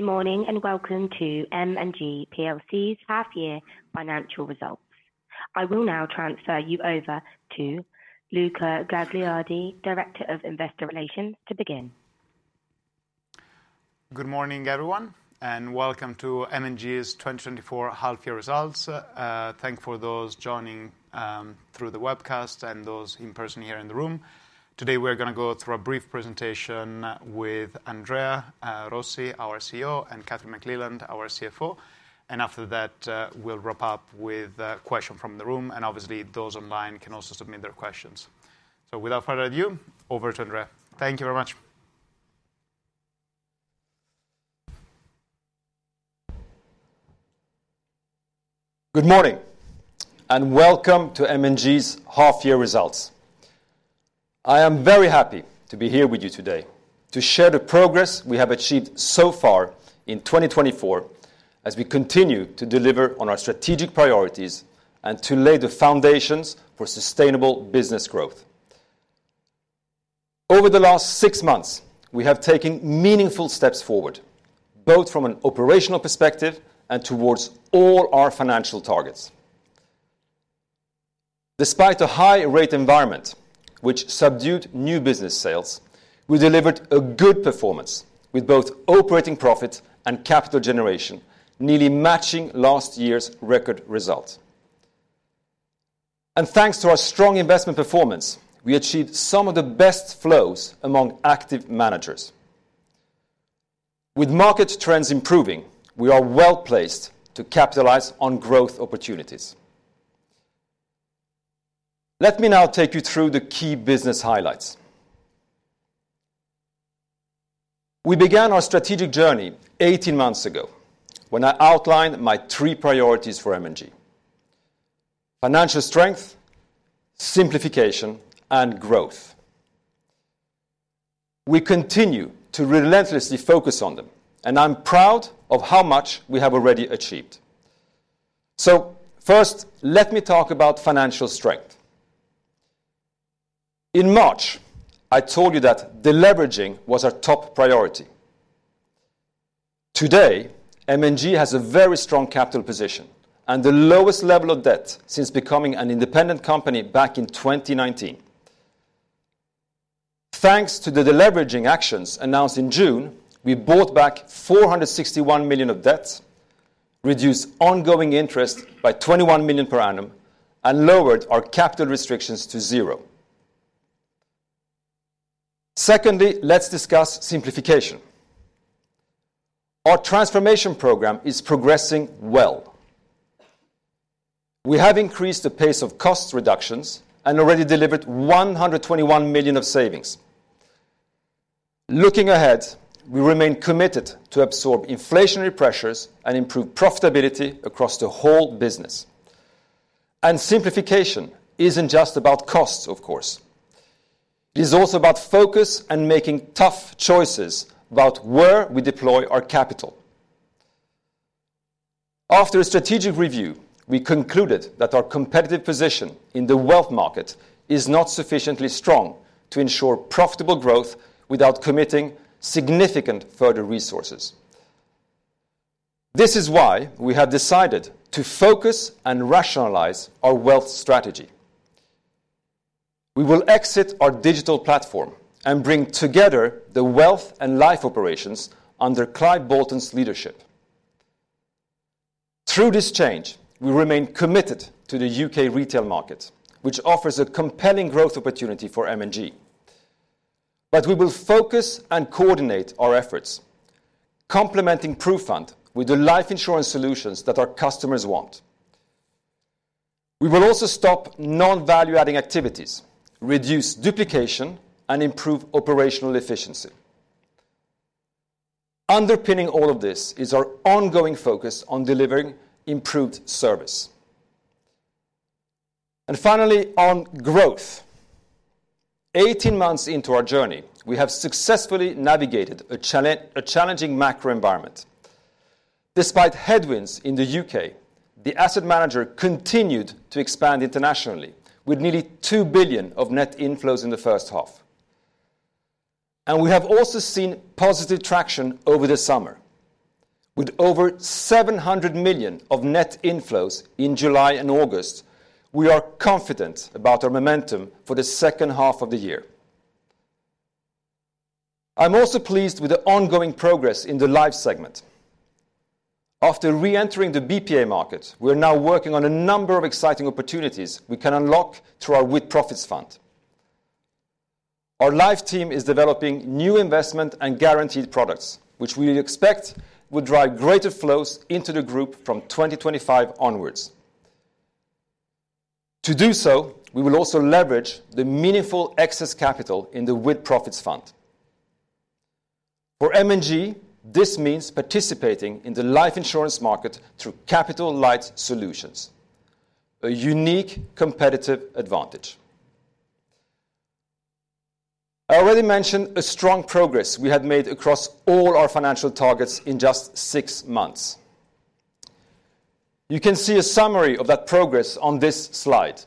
Good morning, and welcome to M&G PLC's half-year financial results. I will now transfer you over to Luca Gagliardi, Director of Investor Relations, to begin. Good morning, everyone, and welcome to M&G's 2024 half-year results. Thanks for those joining through the webcast and those in person here in the room. Today, we're gonna go through a brief presentation with Andrea Rossi, our CEO, and Kathryn McLeland, our CFO. After that, we'll wrap up with a question from the room, and obviously, those online can also submit their questions. Without further ado, over to Andrea. Thank you very much. Good morning, and welcome to M&G's half-year results. I am very happy to be here with you today to share the progress we have achieved so far in 2024, as we continue to deliver on our strategic priorities and to lay the foundations for sustainable business growth. Over the last six months, we have taken meaningful steps forward, both from an operational perspective and towards all our financial targets. Despite a high-rate environment, which subdued new business sales, we delivered a good performance with both operating profit and capital generation, nearly matching last year's record result, and thanks to our strong investment performance, we achieved some of the best flows among active managers. With market trends improving, we are well-placed to capitalize on growth opportunities. Let me now take you through the key business highlights. We began our strategic journey 18 months ago, when I outlined my 3 priorities for M&G: financial strength, simplification, and growth. We continue to relentlessly focus on them, and I'm proud of how much we have already achieved. So first, let me talk about financial strength. In March, I told you that deleveraging was our top priority. Today, M&G has a very strong capital position and the lowest level of debt since becoming an independent company back in 2019. Thanks to the deleveraging actions announced in June, we bought back 461 million of debt, reduced ongoing interest by 21 million per annum, and lowered our capital restrictions to zero. Secondly, let's discuss simplification. Our transformation program is progressing well. We have increased the pace of cost reductions and already delivered 121 million of savings. Looking ahead, we remain committed to absorb inflationary pressures and improve profitability across the whole business, and simplification isn't just about costs, of course. It is also about focus and making tough choices about where we deploy our capital. After a strategic review, we concluded that our competitive position in the wealth market is not sufficiently strong to ensure profitable growth without committing significant further resources. This is why we have decided to focus and rationalize our wealth strategy. We will exit our digital platform and bring together the wealth and life operations under Clive Bolton's leadership. Through this change, we remain committed to the U.K. retail market, which offers a compelling growth opportunity for M&G, but we will focus and coordinate our efforts, complementing PruFund with the life insurance solutions that our customers want. We will also stop non-value-adding activities, reduce duplication, and improve operational efficiency. Underpinning all of this is our ongoing focus on delivering improved service. And finally, on growth. 18 months into our journey, we have successfully navigated a challenging macro environment. Despite headwinds in the U.K., the asset manager continued to expand internationally, with nearly 2 billion of net inflows in the first half. And we have also seen positive traction over the summer. With over 700 million of net inflows in July and August, we are confident about our momentum for the second half of the year. I'm also pleased with the ongoing progress in the Life segment. After reentering the BPA market, we're now working on a number of exciting opportunities we can unlock through our With-Profits Fund. Our Life team is developing new investment and guaranteed products, which we expect will drive greater flows into the group from 2025 onwards. To do so, we will also leverage the meaningful excess capital in the With-Profits Fund. For M&G, this means participating in the life insurance market through capital-light solutions, a unique competitive advantage. I already mentioned a strong progress we had made across all our financial targets in just six months. You can see a summary of that progress on this slide.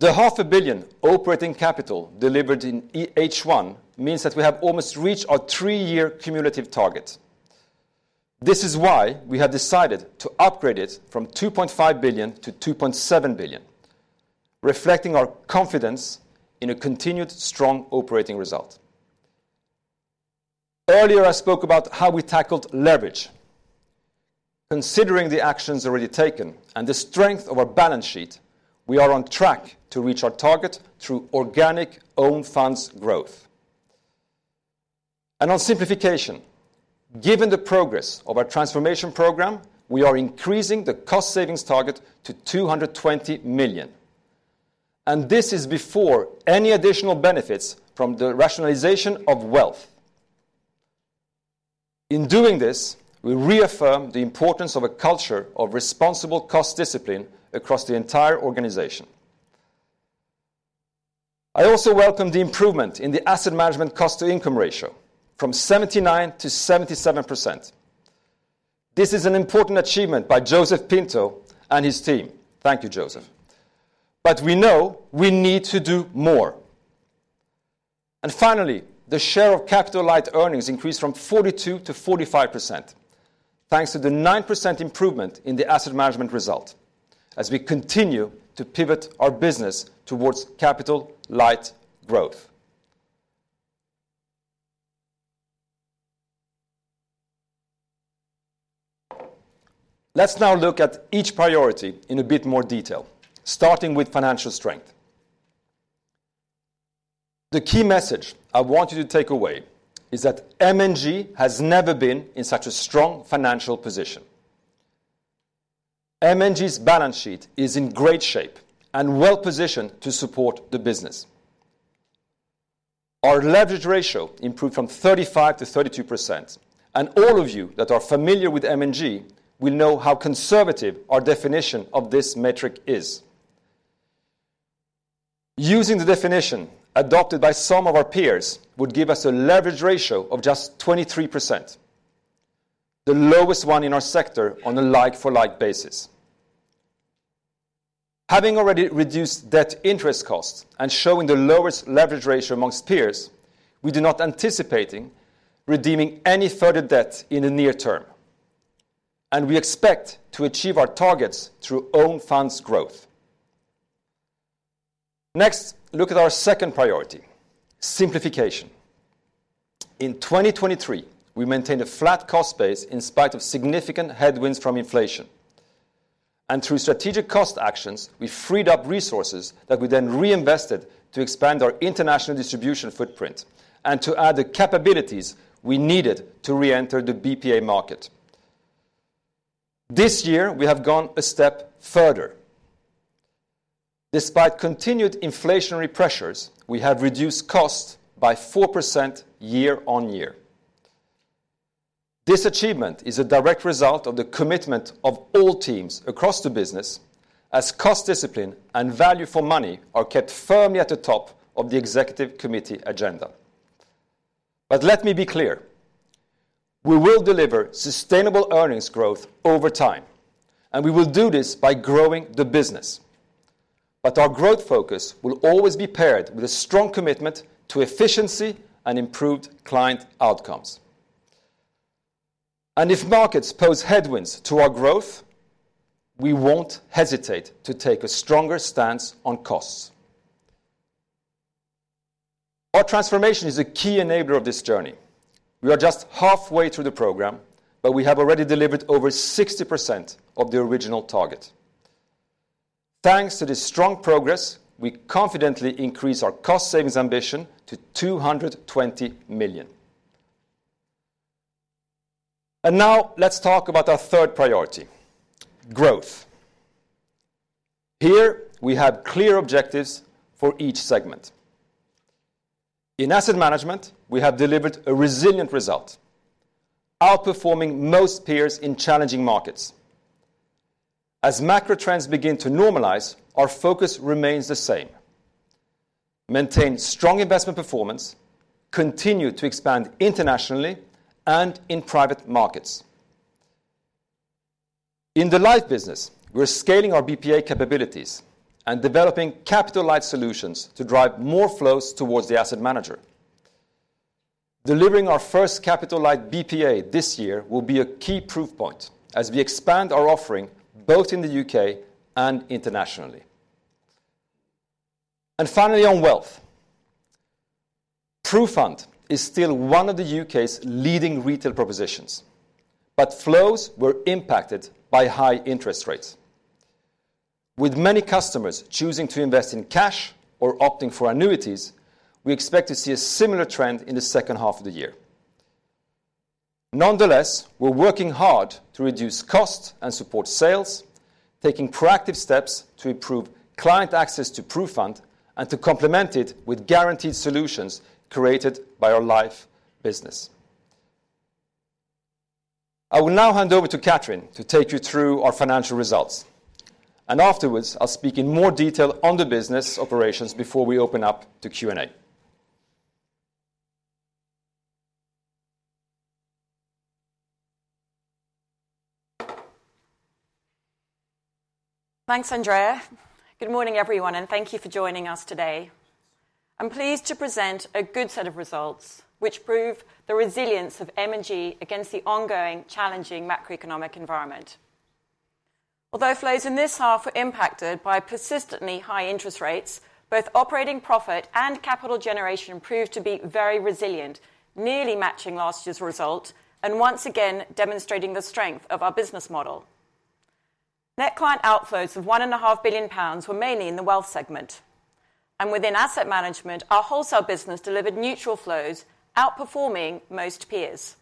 The 500 million operating capital delivered in H1 means that we have almost reached our three-year cumulative target. This is why we have decided to upgrade it from 2.5 billion to 2.7 billion, reflecting our confidence in a continued strong operating result. Earlier, I spoke about how we tackled leverage. Considering the actions already taken and the strength of our balance sheet, we are on track to reach our target through organic own funds growth. And on simplification, given the progress of our transformation program, we are increasing the cost savings target to 220 million, and this is before any additional benefits from the rationalization of wealth. In doing this, we reaffirm the importance of a culture of responsible cost discipline across the entire organization. I also welcome the improvement in the asset management cost-to-income ratio from 79% - 77%. This is an important achievement by Joseph Pinto and his team. Thank you, Joseph. But we know we need to do more. And finally, the share of capital light earnings increased from 42% - 45%, thanks to the 9% improvement in the asset management result as we continue to pivot our business towards capital-light growth. Let's now look at each priority in a bit more detail, starting with financial strength. The key message I want you to take away is that M&G has never been in such a strong financial position. M&G's balance sheet is in great shape and well-positioned to support the business. Our leverage ratio improved from 35% - 32%, and all of you that are familiar with M&G will know how conservative our definition of this metric is. Using the definition adopted by some of our peers, would give us a leverage ratio of just 23%, the lowest one in our sector on a like-for-like basis. Having already reduced debt interest costs and showing the lowest leverage ratio among peers, we do not anticipating redeeming any further debt in the near term, and we expect to achieve our targets through own funds growth. Next, look at our second priority, simplification. In 2023, we maintained a flat cost base in spite of significant headwinds from inflation, and through strategic cost actions, we freed up resources that we then reinvested to expand our international distribution footprint and to add the capabilities we needed to re-enter the BPA market. This year, we have gone a step further. Despite continued inflationary pressures, we have reduced costs by 4% year-on-year. This achievement is a direct result of the commitment of all teams across the business as cost discipline and value for money are kept firmly at the top of the executive committee agenda. But let me be clear, we will deliver sustainable earnings growth over time, and we will do this by growing the business. But our growth focus will always be paired with a strong commitment to efficiency and improved client outcomes. And if markets pose headwinds to our growth, we won't hesitate to take a stronger stance on costs. Our transformation is a key enabler of this journey. We are just halfway through the program, but we have already delivered over 60% of the original target. Thanks to this strong progress, we confidently increase our cost savings ambition to 220 million. And now let's talk about our third priority, growth. Here, we have clear objectives for each segment. In asset management, we have delivered a resilient result, outperforming most peers in challenging markets. As macro trends begin to normalize, our focus remains the same: maintain strong investment performance, continue to expand internationally, and in private markets. In the life business, we're scaling our BPA capabilities and developing capital-light solutions to drive more flows towards the asset manager. Delivering our first capital-light BPA this year will be a key proof point as we expand our offering, both in the U.K. and internationally. Finally, on wealth, PruFund is still one of the U.K's leading retail propositions, but flows were impacted by high interest rates. With many customers choosing to invest in cash or opting for annuities, we expect to see a similar trend in the second half of the year. Nonetheless, we're working hard to reduce costs and support sales, taking proactive steps to improve client access to PruFund and to complement it with guaranteed solutions created by our life business. I will now hand over to Kathryn to take you through our financial results, and afterwards, I'll speak in more detail on the business operations before we open up to Q&A.... Thanks, Andrea. Good morning, everyone, and thank you for joining us today. I'm pleased to present a good set of results, which prove the resilience of M&G against the ongoing challenging macroeconomic environment. Although flows in this half were impacted by persistently high interest rates, both operating profit and capital generation proved to be very resilient, nearly matching last year's result, and once again demonstrating the strength of our business model. Net client outflows of 1.5 billion pounds were mainly in the wealth segment, and within asset management, our wholesale business delivered neutral flows, outperforming most peers.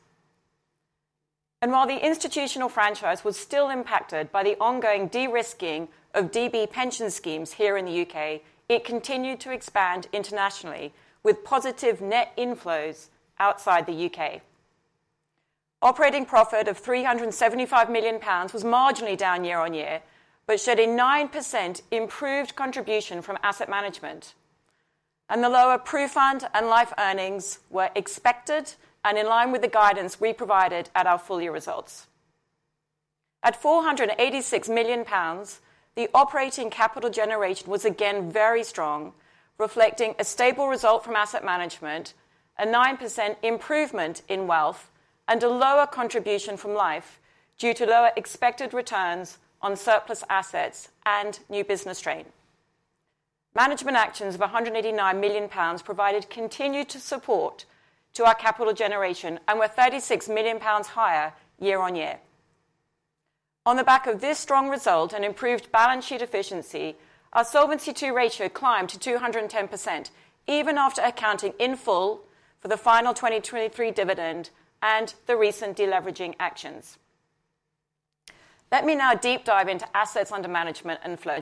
And while the institutional franchise was still impacted by the ongoing de-risking of DB pension schemes here in the U.K, it continued to expand internationally, with positive net inflows outside the U.K. Operating profit of 375 million pounds was marginally down year-on-year, but showed a 9% improved contribution from asset management. And the lower PruFund and life earnings were expected and in line with the guidance we provided at our full-year results. At 486 million pounds, the operating capital generation was again very strong, reflecting a stable result from asset management, a 9% improvement in wealth, and a lower contribution from life due to lower expected returns on surplus assets and new business strain. Management actions of 189 million pounds provided continued support to our capital generation and were 36 million pounds higher year-on-year. On the back of this strong result and improved balance sheet efficiency, our Solvency II ratio climbed to 210%, even after accounting in full for the final 2023 dividend and the recent deleveraging actions. Let me now deep dive into assets under management and flow.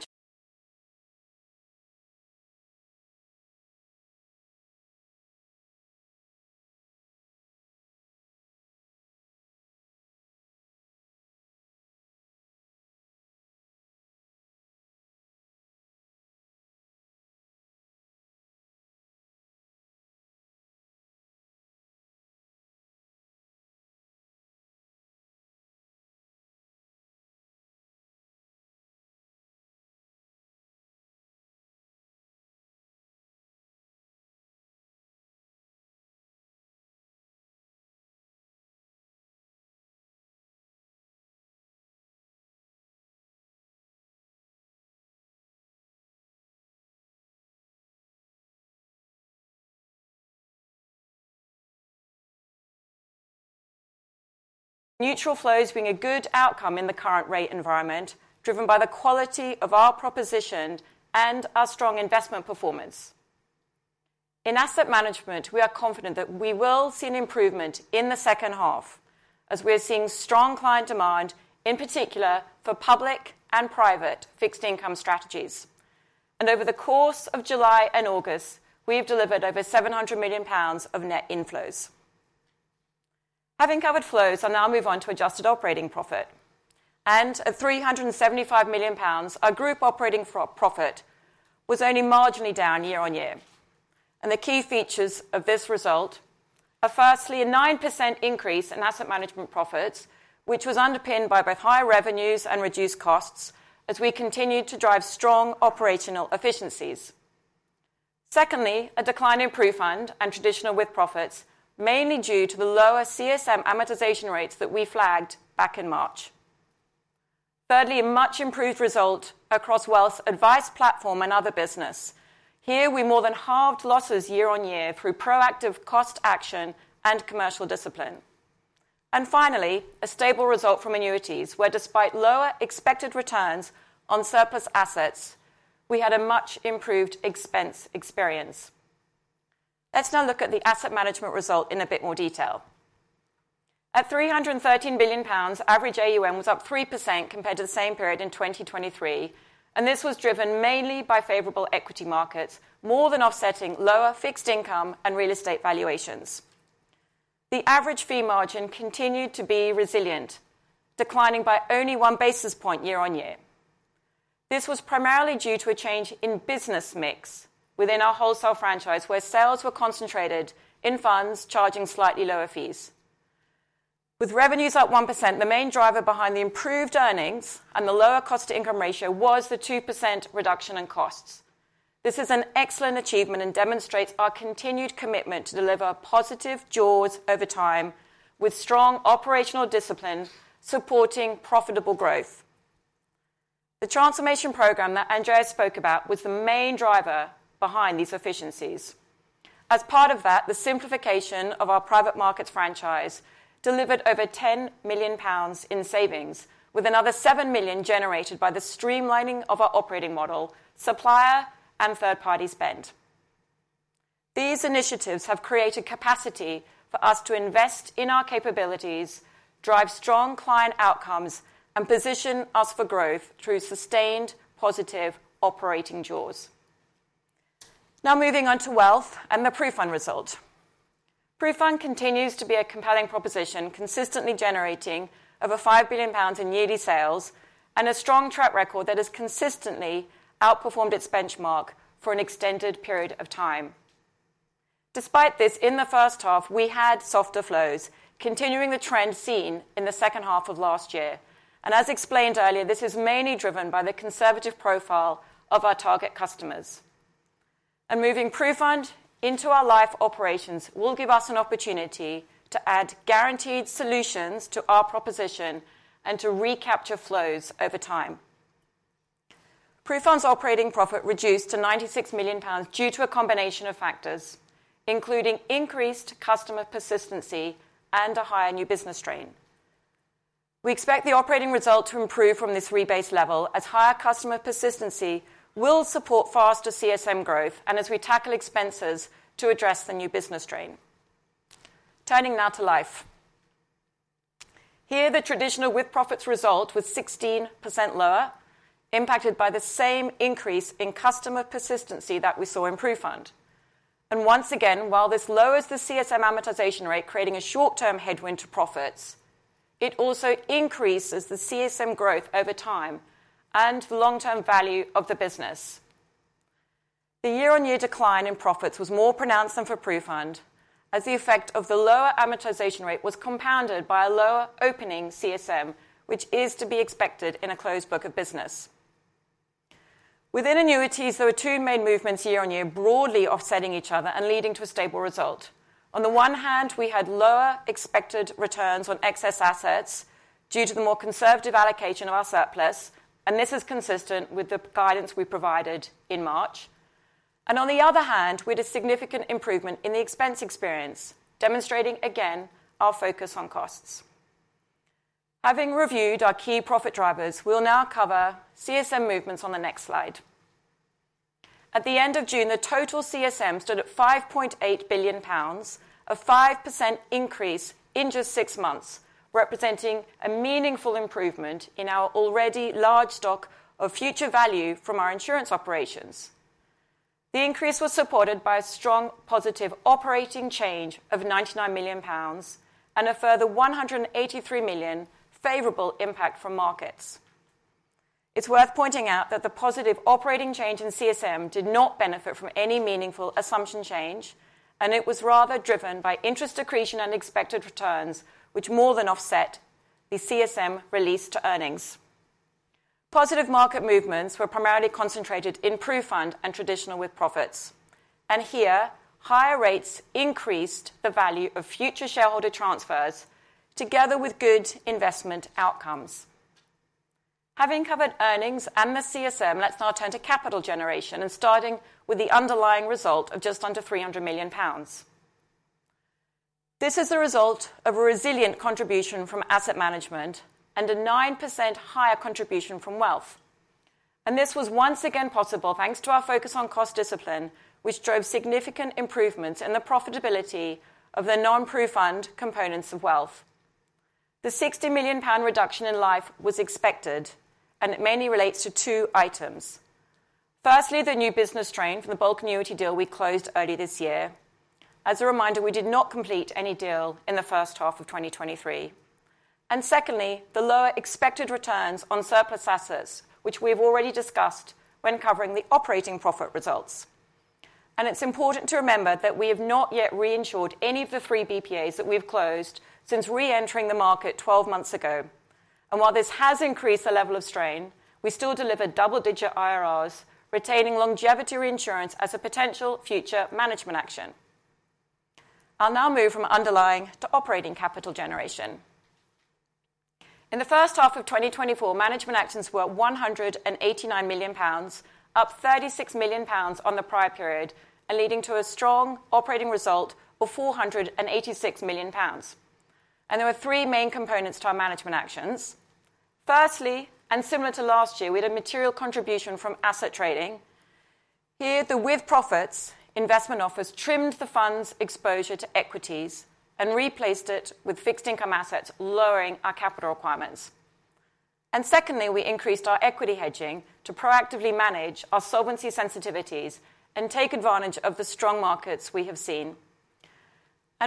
Neutral flows being a good outcome in the current rate environment, driven by the quality of our proposition and our strong investment performance. In asset management, we are confident that we will see an improvement in the second half, as we are seeing strong client demand, in particular for public and private fixed income strategies. And over the course of July and August, we have delivered over 700 million pounds of net inflows. Having covered flows, I'll now move on to adjusted operating profit. And at 375 million pounds, our group operating profit was only marginally down year-on-year. And the key features of this result are, firstly, a 9% increase in asset management profits, which was underpinned by both higher revenues and reduced costs as we continued to drive strong operational efficiencies. Secondly, a decline in PruFund and traditional with-profits, mainly due to the lower CSM amortization rates that we flagged back in March. Thirdly, a much improved result across wealth, advice, platform, and other business. Here, we more than halved losses year-on-year through proactive cost action and commercial discipline. And finally, a stable result from annuities, where despite lower expected returns on surplus assets, we had a much improved expense experience. Let's now look at the asset management result in a bit more detail. At 313 billion pounds, average AUM was up 3% compared to the same period in 2023, and this was driven mainly by favorable equity markets, more than offsetting lower fixed income and real estate valuations. The average fee margin continued to be resilient, declining by only one basis point year-on-year. This was primarily due to a change in business mix within our wholesale franchise, where sales were concentrated in funds charging slightly lower fees. With revenues up 1%, the main driver behind the improved earnings and the lower cost-to-income ratio was the 2% reduction in costs. This is an excellent achievement and demonstrates our continued commitment to deliver positive jaws over time, with strong operational discipline supporting profitable growth. The transformation program that Andrea spoke about was the main driver behind these efficiencies. As part of that, the simplification of our private markets franchise delivered over 10 million pounds in savings, with another 7 million generated by the streamlining of our operating model, supplier, and third-party spend. These initiatives have created capacity for us to invest in our capabilities, drive strong client outcomes, and position us for growth through sustained positive operating jaws. Now, moving on to Wealth and the PruFund result. PruFund continues to be a compelling proposition, consistently generating over five billion GBP in yearly sales and a strong track record that has consistently outperformed its benchmark for an extended period of time. Despite this, in the first half, we had softer flows, continuing the trend seen in the second half of last year, and as explained earlier, this is mainly driven by the conservative profile of our target customers. Moving PruFund into our life operations will give us an opportunity to add guaranteed solutions to our proposition and to recapture flows over time. PruFund's operating profit reduced to 96 million pounds due to a combination of factors, including increased customer persistency and a higher new business strain. We expect the operating result to improve from this rebase level as higher customer persistency will support faster CSM growth and as we tackle expenses to address the new business strain. Turning now to life. Here, the traditional with-profits result was 16% lower, impacted by the same increase in customer persistency that we saw in PruFund. Once again, while this lowers the CSM amortization rate, creating a short-term headwind to profits, it also increases the CSM growth over time and the long-term value of the business. The year-on-year decline in profits was more pronounced than for PruFund, as the effect of the lower amortization rate was compounded by a lower opening CSM, which is to be expected in a closed book of business. Within annuities, there were two main movements year-on-year, broadly offsetting each other and leading to a stable result. On the one hand, we had lower expected returns on excess assets due to the more conservative allocation of our surplus, and this is consistent with the guidance we provided in March, and on the other hand, we had a significant improvement in the expense experience, demonstrating again our focus on costs. Having reviewed our key profit drivers, we'll now cover CSM movements on the next slide. At the end of June, the total CSM stood at 5.8 billion pounds, a 5% increase in just six months, representing a meaningful improvement in our already large stock of future value from our insurance operations. The increase was supported by a strong positive operating change of 99 million pounds and a further 183 million favorable impact from markets. It's worth pointing out that the positive operating change in CSM did not benefit from any meaningful assumption change, and it was rather driven by interest accretion and expected returns, which more than offset the CSM release to earnings. Positive market movements were primarily concentrated in PruFund and traditional with-profits, and here, higher rates increased the value of future shareholder transfers together with good investment outcomes. Having covered earnings and the CSM, let's now turn to capital generation and starting with the underlying result of just under 300 million pounds. This is the result of a resilient contribution from asset management and a 9% higher contribution from wealth, and this was once again possible, thanks to our focus on cost discipline, which drove significant improvements in the profitability of the non-PruFund components of wealth. The 60 million pound reduction in life was expected, and it mainly relates to two items. Firstly, the new business strain from the bulk annuity deal we closed earlier this year. As a reminder, we did not complete any deal in the first half of 2023, and secondly, the lower expected returns on surplus assets, which we have already discussed when covering the operating profit results. It's important to remember that we have not yet reinsured any of the three BPAs that we've closed since reentering the market 12 months ago. While this has increased the level of strain, we still delivered double-digit IRRs, retaining longevity reinsurance as a potential future management action. I'll now move from underlying to operating capital generation. In the first half of 2024, management actions were 189 million pounds, up 36 million pounds on the prior period, and leading to a strong operating result of 486 million pounds. There were three main components to our management actions. Firstly, and similar to last year, we had a material contribution from asset trading. Here, the With-Profits investment office trimmed the fund's exposure to equities and replaced it with fixed income assets, lowering our capital requirements. Secondly, we increased our equity hedging to proactively manage our solvency sensitivities and take advantage of the strong markets we have seen.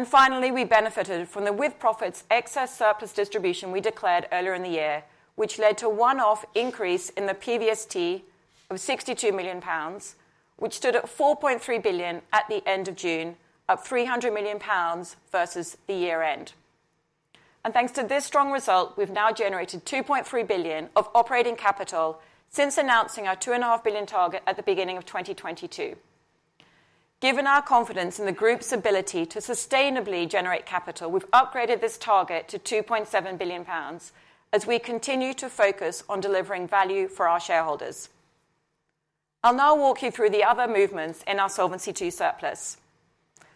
Finally, we benefited from the with-profits excess surplus distribution we declared earlier in the year, which led to a one-off increase in the PVST of GBP 62 million, which stood at GBP 4.3 billion at the end of June, up GBP 300 million versus the year end. Thanks to this strong result, we've now generated 2.3 billion of operating capital since announcing our 2.5 billion target at the beginning of 2022. Given our confidence in the group's ability to sustainably generate capital, we've upgraded this target to 2.7 billion pounds as we continue to focus on delivering value for our shareholders. I'll now walk you through the other movements in our Solvency II surplus.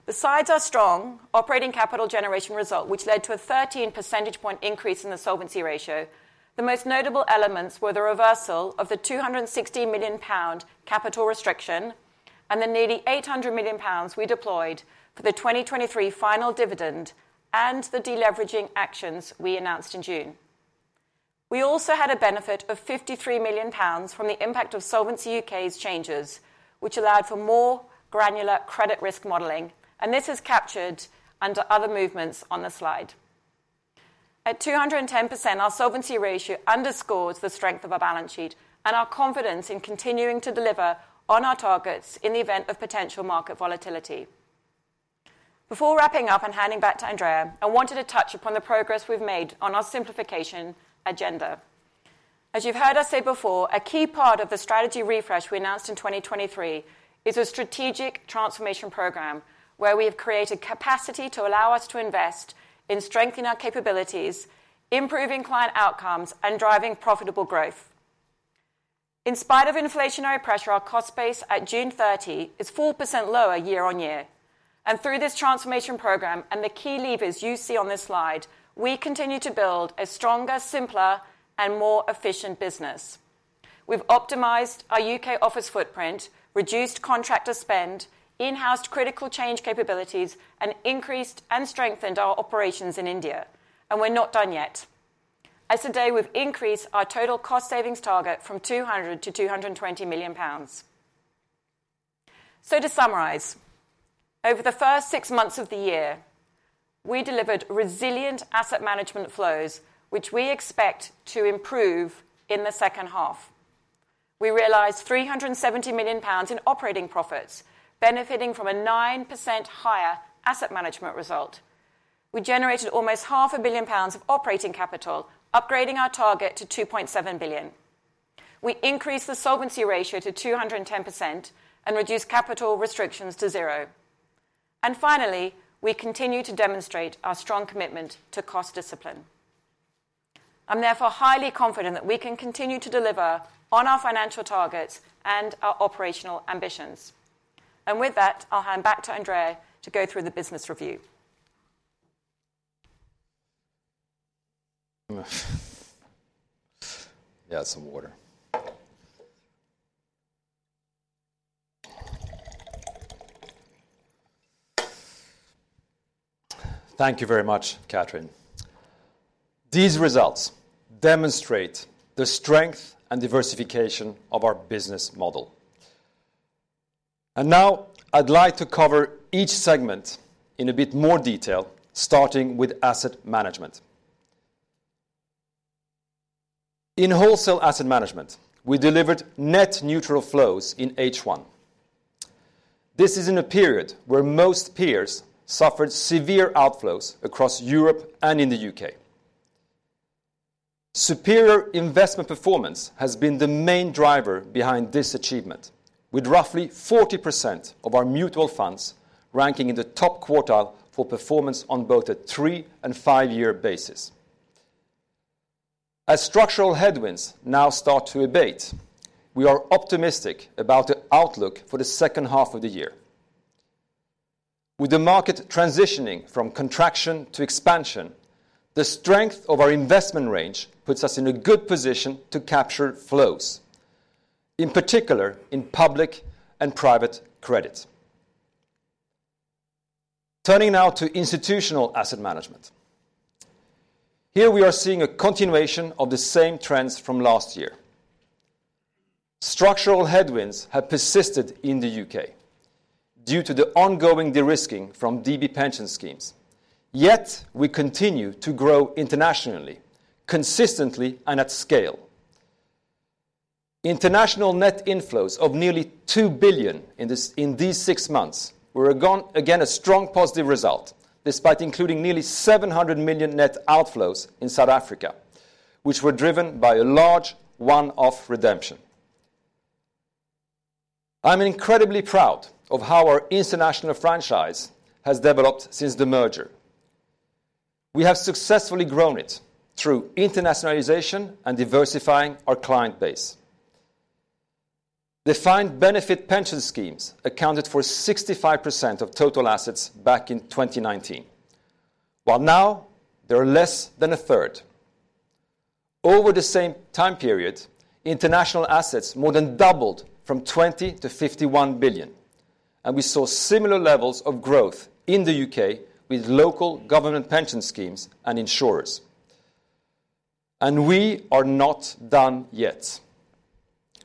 Besides our strong operating capital generation result, which led to a 13 percentage points increase in the solvency ratio, the most notable elements were the reversal of the 260 million pounds capital restriction and the nearly 800 million pounds we deployed for the 2023 final dividend and the deleveraging actions we announced in June. We also had a benefit of 53 million pounds from the impact of Solvency U.K.'s changes, which allowed for more granular credit risk modeling, and this is captured under other movements on the slide. At 210%, our solvency ratio underscores the strength of our balance sheet and our confidence in continuing to deliver on our targets in the event of potential market volatility. Before wrapping up and handing back to Andrea, I wanted to touch upon the progress we've made on our simplification agenda. As you've heard us say before, a key part of the strategy refresh we announced in 2023 is a strategic transformation program, where we have created capacity to allow us to invest in strengthening our capabilities, improving client outcomes, and driving profitable growth. In spite of inflationary pressure, our cost base at June thirty is 4% lower year-on-year, and through this transformation program and the key levers you see on this slide, we continue to build a stronger, simpler, and more efficient business. We've optimized our U.K. office footprint, reduced contractor spend, in-housed critical change capabilities, and increased and strengthened our operations in India, and we're not done yet. As of today, we've increased our total cost savings target from 200 million - 220 million pounds. To summarize, over the first six months of the year, we delivered resilient asset management flows, which we expect to improve in the second half. We realized 370 million pounds in operating profits, benefiting from a 9% higher asset management result. We generated almost 500 million pounds of operating capital, upgrading our target to 2.7 billion. We increased the solvency ratio to 210% and reduced capital restrictions to 0. And finally, we continue to demonstrate our strong commitment to cost discipline. I'm therefore highly confident that we can continue to deliver on our financial targets and our operational ambitions. With that, I'll hand back to Andrea to go through the business review. Yeah, some water. Thank you very much, Kathryn. These results demonstrate the strength and diversification of our business model. And now I'd like to cover each segment in a bit more detail, starting with asset management. In wholesale asset management, we delivered net neutral flows in H1. This is in a period where most peers suffered severe outflows across Europe and in the U.K. Superior investment performance has been the main driver behind this achievement, with roughly 40% of our mutual funds ranking in the top quartile for performance on both a 3- and 5-year basis. As structural headwinds now start to abate, we are optimistic about the outlook for the second half of the year. With the market transitioning from contraction to expansion, the strength of our investment range puts us in a good position to capture flows, in particular in public and private credit. Turning now to institutional asset management. Here we are seeing a continuation of the same trends from last year. Structural headwinds have persisted in the U.K. due to the ongoing de-risking from DB pension schemes, yet we continue to grow internationally, consistently and at scale. International net inflows of nearly 2 billion in these six months were again a strong positive result, despite including nearly 700 million net outflows in South Africa, which were driven by a large one-off redemption. I'm incredibly proud of how our international franchise has developed since the merger. We have successfully grown it through internationalization and diversifying our client base. Defined benefit pension schemes accounted for 65% of total assets back in 2019, while now they are less than a third. Over the same time period, international assets more than doubled from 20 billion to 51 billion, and we saw similar levels of growth in the U.K. with local government pension schemes and insurers. And we are not done yet.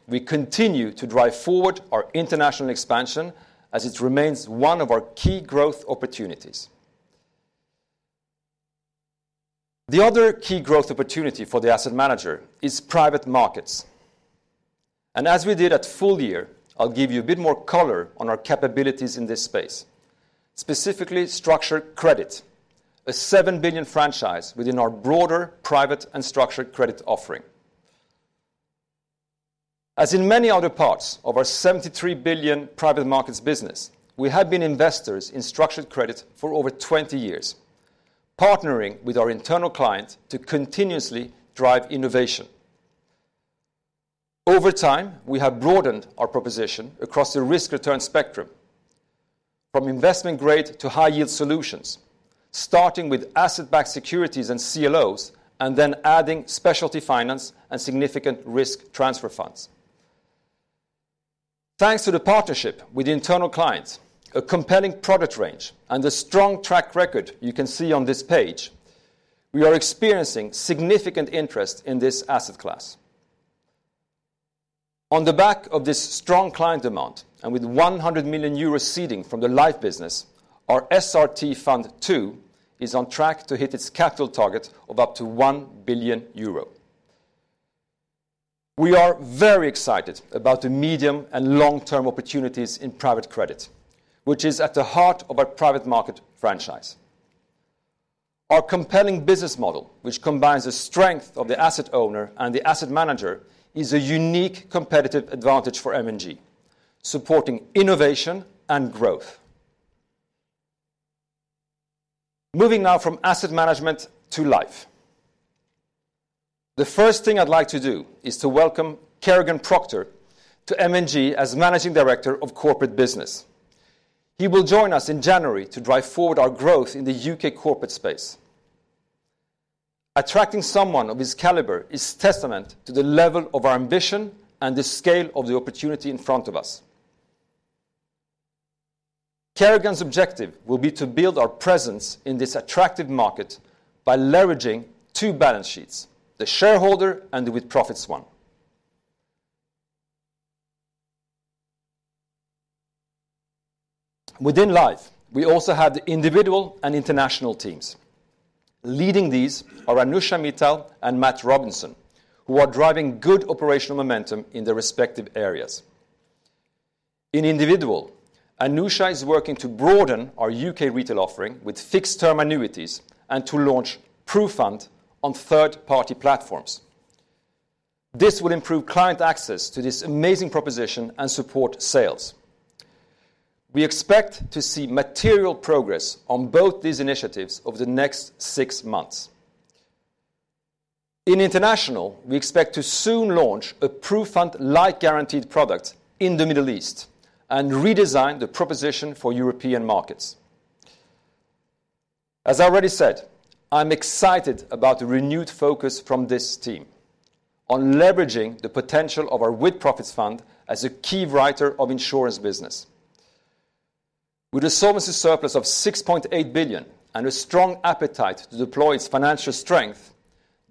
We continue to drive forward our international expansion as it remains one of our key growth opportunities. The other key growth opportunity for the asset manager is private markets. And as we did at full year, I'll give you a bit more color on our capabilities in this space, specifically structured credit, a 7 billion franchise within our broader private and structured credit offering. As in many other parts of our 73 billion private markets business, we have been investors in structured credit for over 20 years, partnering with our internal client to continuously drive innovation. Over time, we have broadened our proposition across the risk-return spectrum, from investment-grade to high-yield solutions, starting with asset-backed securities and CLOs, and then adding specialty finance and significant risk transfer funds. Thanks to the partnership with the internal clients, a compelling product range, and the strong track record you can see on this page, we are experiencing significant interest in this asset class. On the back of this strong client demand, and with 100 million euros seeding from the life business, our SRT Fund II is on track to hit its capital target of up to 1 billion euro. We are very excited about the medium and long-term opportunities in private credit, which is at the heart of our private market franchise. Our compelling business model, which combines the strength of the asset owner and the asset manager, is a unique competitive advantage for M&G, supporting innovation and growth. Moving now from asset management to life. The first thing I'd like to do is to welcome Kerrigan Procter to M&G as Managing Director of Corporate Business. He will join us in January to drive forward our growth in the U.K. corporate space. Attracting someone of his caliber is testament to the level of our ambition and the scale of the opportunity in front of us. Kerrigan's objective will be to build our presence in this attractive market by leveraging two balance sheets, the shareholder and the with-profits one. Within life, we also have the individual and international teams. Leading these are Anusha Mittal and Matt Robinson, who are driving good operational momentum in their respective areas. In individual, Anusha is working to broaden our U.K. retail offering with fixed-term annuities and to launch PruFund on third-party platforms. This will improve client access to this amazing proposition and support sales. We expect to see material progress on both these initiatives over the next six months. In international, we expect to soon launch a PruFund-like guaranteed product in the Middle East and redesign the proposition for European markets. As I already said, I'm excited about the renewed focus from this team on leveraging the potential of our With-Profits Fund as a key writer of insurance business. With a solvency surplus of 6.8 billion and a strong appetite to deploy its financial strength,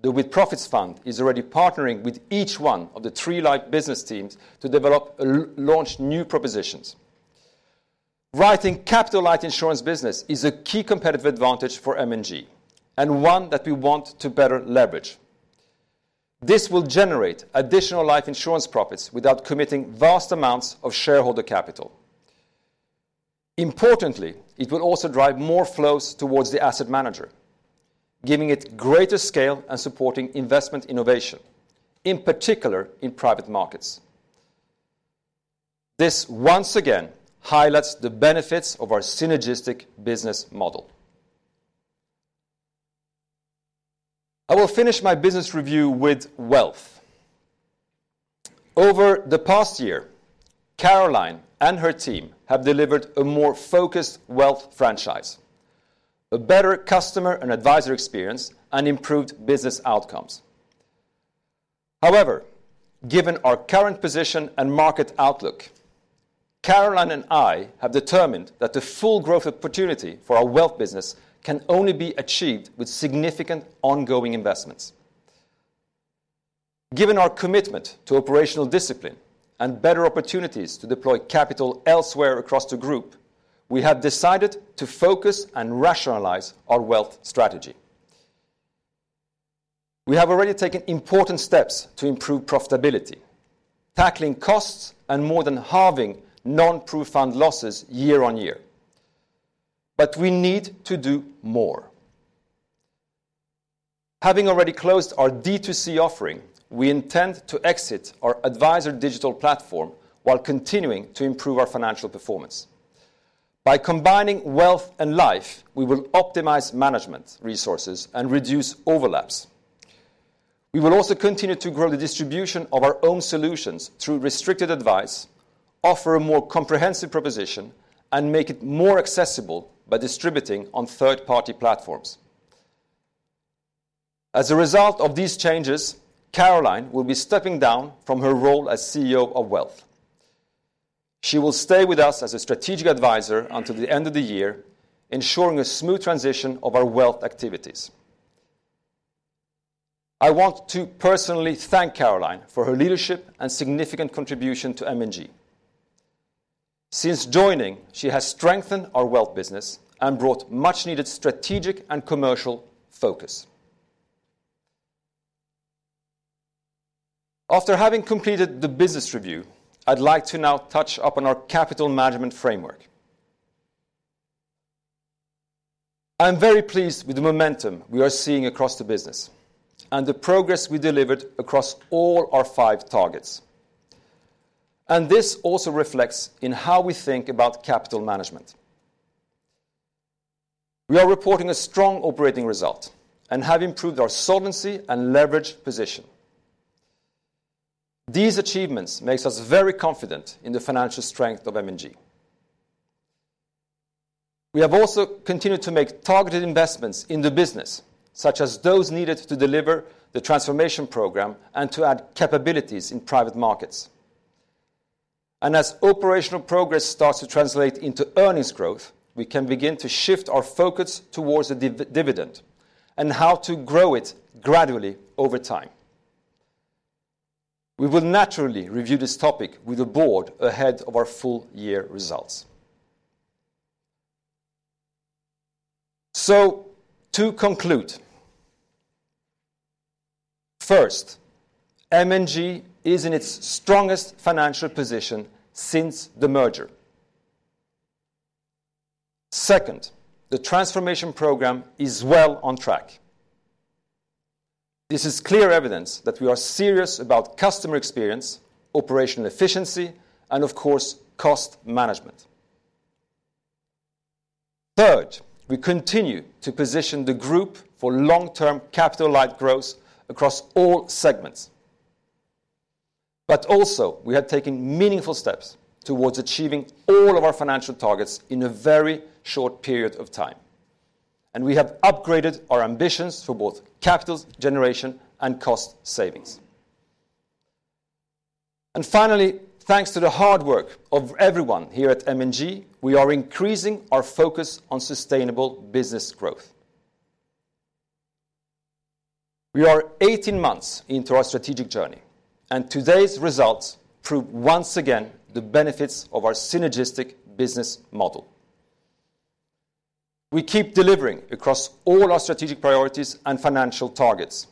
the With-Profits Fund is already partnering with each one of the three life business teams to develop and launch new propositions. Writing capital light insurance business is a key competitive advantage for M&G, and one that we want to better leverage. This will generate additional life insurance profits without committing vast amounts of shareholder capital. Importantly, it will also drive more flows towards the asset manager, giving it greater scale and supporting investment innovation, in particular in private markets. This once again highlights the benefits of our synergistic business model. I will finish my business review with Wealth. Over the past year, Caroline and her team have delivered a more Focused Wealth Franchise, a better customer and advisor experience, and improved business outcomes. However, given our current position and market outlook, Caroline and I have determined that the full growth opportunity for our wealth business can only be achieved with significant ongoing investments. Given our commitment to operational discipline and better opportunities to deploy capital elsewhere across the group, we have decided to focus and rationalize our wealth strategy. We have already taken important steps to improve profitability, tackling costs and more than halving non-PruFund losses year on year. But we need to do more. Having already closed our D2C offering, we intend to exit our advisor digital platform while continuing to improve our financial performance. By combining wealth and life, we will optimize management resources and reduce overlaps. We will also continue to grow the distribution of our own solutions through restricted advice, offer a more comprehensive proposition, and make it more accessible by distributing on third-party platforms. As a result of these changes, Caroline will be stepping down from her role as CEO of Wealth. She will stay with us as a strategic advisor until the end of the year, ensuring a smooth transition of our wealth activities. I want to personally thank Caroline for her leadership and significant contribution to M&G. Since joining, she has strengthened our wealth business and brought much-needed strategic and commercial focus. After having completed the business review, I'd like to now touch upon our capital management framework. I am very pleased with the momentum we are seeing across the business and the progress we delivered across all our five targets. And this also reflects in how we think about capital management. We are reporting a strong operating result and have improved our solvency and leverage position. These achievements makes us very confident in the financial strength of M&G. We have also continued to make targeted investments in the business, such as those needed to deliver the transformation program and to add capabilities in private markets. And as operational progress starts to translate into earnings growth, we can begin to shift our focus towards a dividend, and how to grow it gradually over time. We will naturally review this topic with the board ahead of our full year results. So to conclude, first, M&G is in its strongest financial position since the merger. Second, the transformation program is well on track. This is clear evidence that we are serious about customer experience, operational efficiency, and of course, cost management. Third, we continue to position the group for long-term capital-light growth across all segments. But also, we have taken meaningful steps towards achieving all of our financial targets in a very short period of time, and we have upgraded our ambitions for both capital generation and cost savings. And finally, thanks to the hard work of everyone here at M&G, we are increasing our focus on sustainable business growth. We are eighteen months into our strategic journey, and today's results prove once again the benefits of our synergistic business model. We keep delivering across all our strategic priorities and financial targets.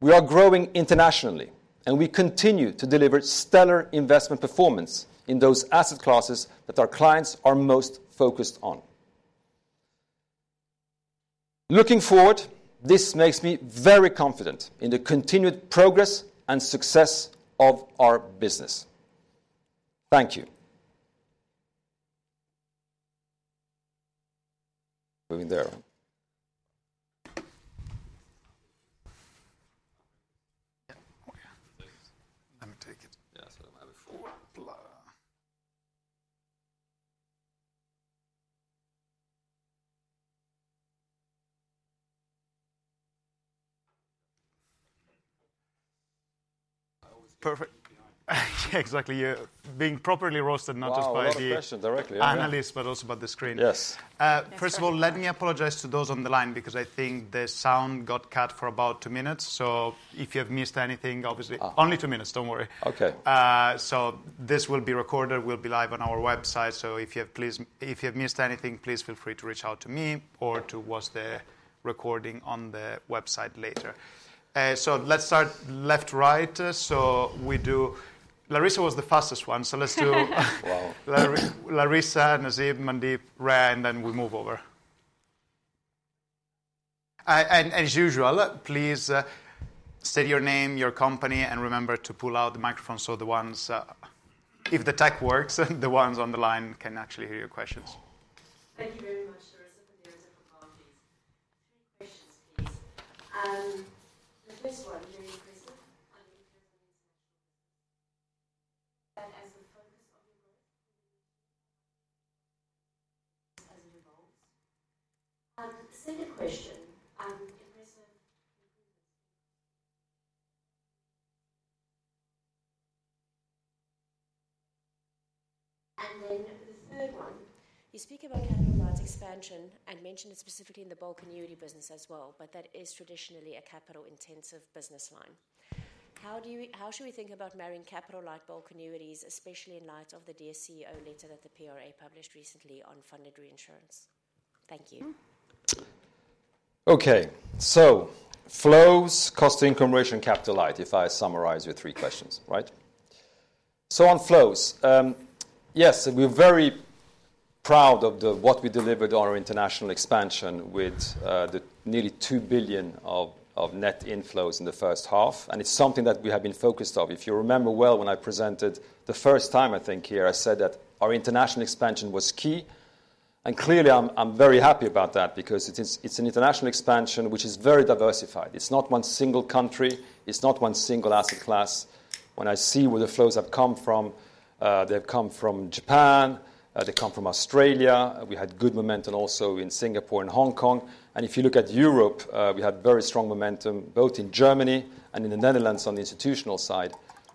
We are growing internationally, and we continue to deliver stellar investment performance in those asset classes that our clients are most focused on. Looking forward, this makes me very confident in the continued progress and success of our business. Thank you. Moving there. Yeah. Oh, yeah. Let me take it. Yes, so might be four. Voilà! Perfect. Yeah, exactly, you're being properly roasted, not just by the- Wow, a lot of pressure directly.... analyst, but also by the screen. Yes. First of all, let me apologize to those on the line, because I think the sound got cut for about two minutes. So if you have missed anything, obviously- Uh... only two minutes, don't worry. Okay. So this will be recorded, will be live on our website. So if you have missed anything, please feel free to reach out to me or to watch the recording on the website later. So let's start left, right. So we do... Larissa was the fastest one, so let's do- Wow. Larissa, Nasib, Mandeep, Rhea, and then we move over, and as usual, please state your name, your company, and remember to pull out the microphone, so the ones, if the tech works, the ones on the line can actually hear your questions. Thank you very much. Larissa from Reuters, apologies. Three questions, please. The first one, you're increasing as the focus of your growth as it evolves. Second question, impressive. And then the third one, you speak about capital-light expansion and mentioned it specifically in the bulk annuity business as well, but that is traditionally a capital-intensive business line. How should we think about marrying capital-light bulk annuities, especially in light of the dear CEO letter that the PRA published recently on funded reinsurance? Thank you. Okay. So flows, cost-income ratio, and capital light, if I summarize your three questions, right? So on flows, yes, we're very proud of what we delivered on our international expansion with the nearly two billion of net inflows in the first half, and it's something that we have been focused on. If you remember well, when I presented the first time, I think here, I said that our international expansion was key. And clearly, I'm very happy about that because it is, it's an international expansion, which is very diversified. It's not one single country, it's not one single asset class. When I see where the flows have come from, they've come from Japan, they come from Australia. We had good momentum also in Singapore and Hong Kong. If you look at Europe, we had very strong momentum, both in Germany and in the Netherlands on the institutional side,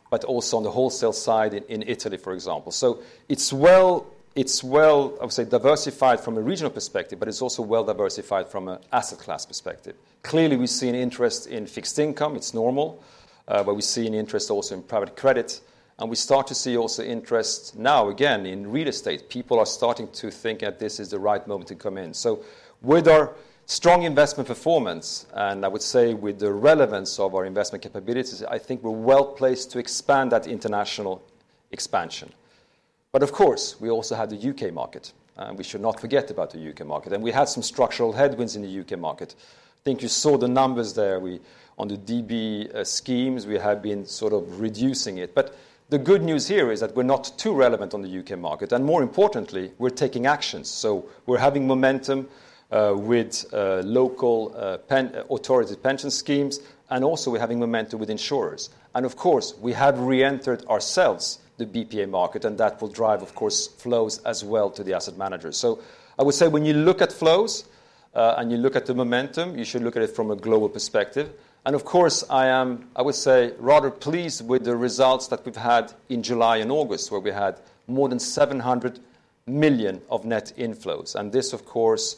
but also on the wholesale side in Italy, for example. It's well, I would say, diversified from a regional perspective, but it's also well diversified from an asset class perspective. Clearly, we've seen interest in fixed income, it's normal, but we've seen interest also in private credit, and we start to see also interest now, again, in real estate. People are starting to think that this is the right moment to come in. With our strong investment performance, and I would say with the relevance of our investment capabilities, I think we're well-placed to expand that international expansion. Of course, we also have the U.K. market, and we should not forget about the U.K. market. We had some structural headwinds in the U.K. market. I think you saw the numbers there. We on the DB schemes, we have been sort of reducing it. But the good news here is that we're not too relevant on the U.K. market, and more importantly, we're taking actions. We're having momentum with local authorized pension schemes, and also we're having momentum with insurers. And of course, we have reentered the BPA market, and that will drive, of course, flows as well to the asset manager. I would say when you look at flows and you look at the momentum, you should look at it from a global perspective. And of course, I am, I would say, rather pleased with the results that we've had in July and August, where we had more than 700 million of net inflows. This, of course,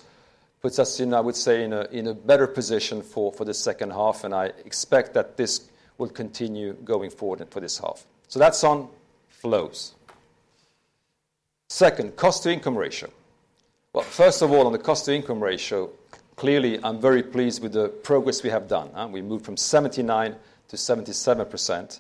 puts us in, I would say, in a better position for the second half, and I expect that this will continue going forward and for this half. That's on flows. Second, cost-to-income ratio. Well, first of all, on the cost-to-income ratio, clearly, I'm very pleased with the progress we have done. We moved from 79% - 77%.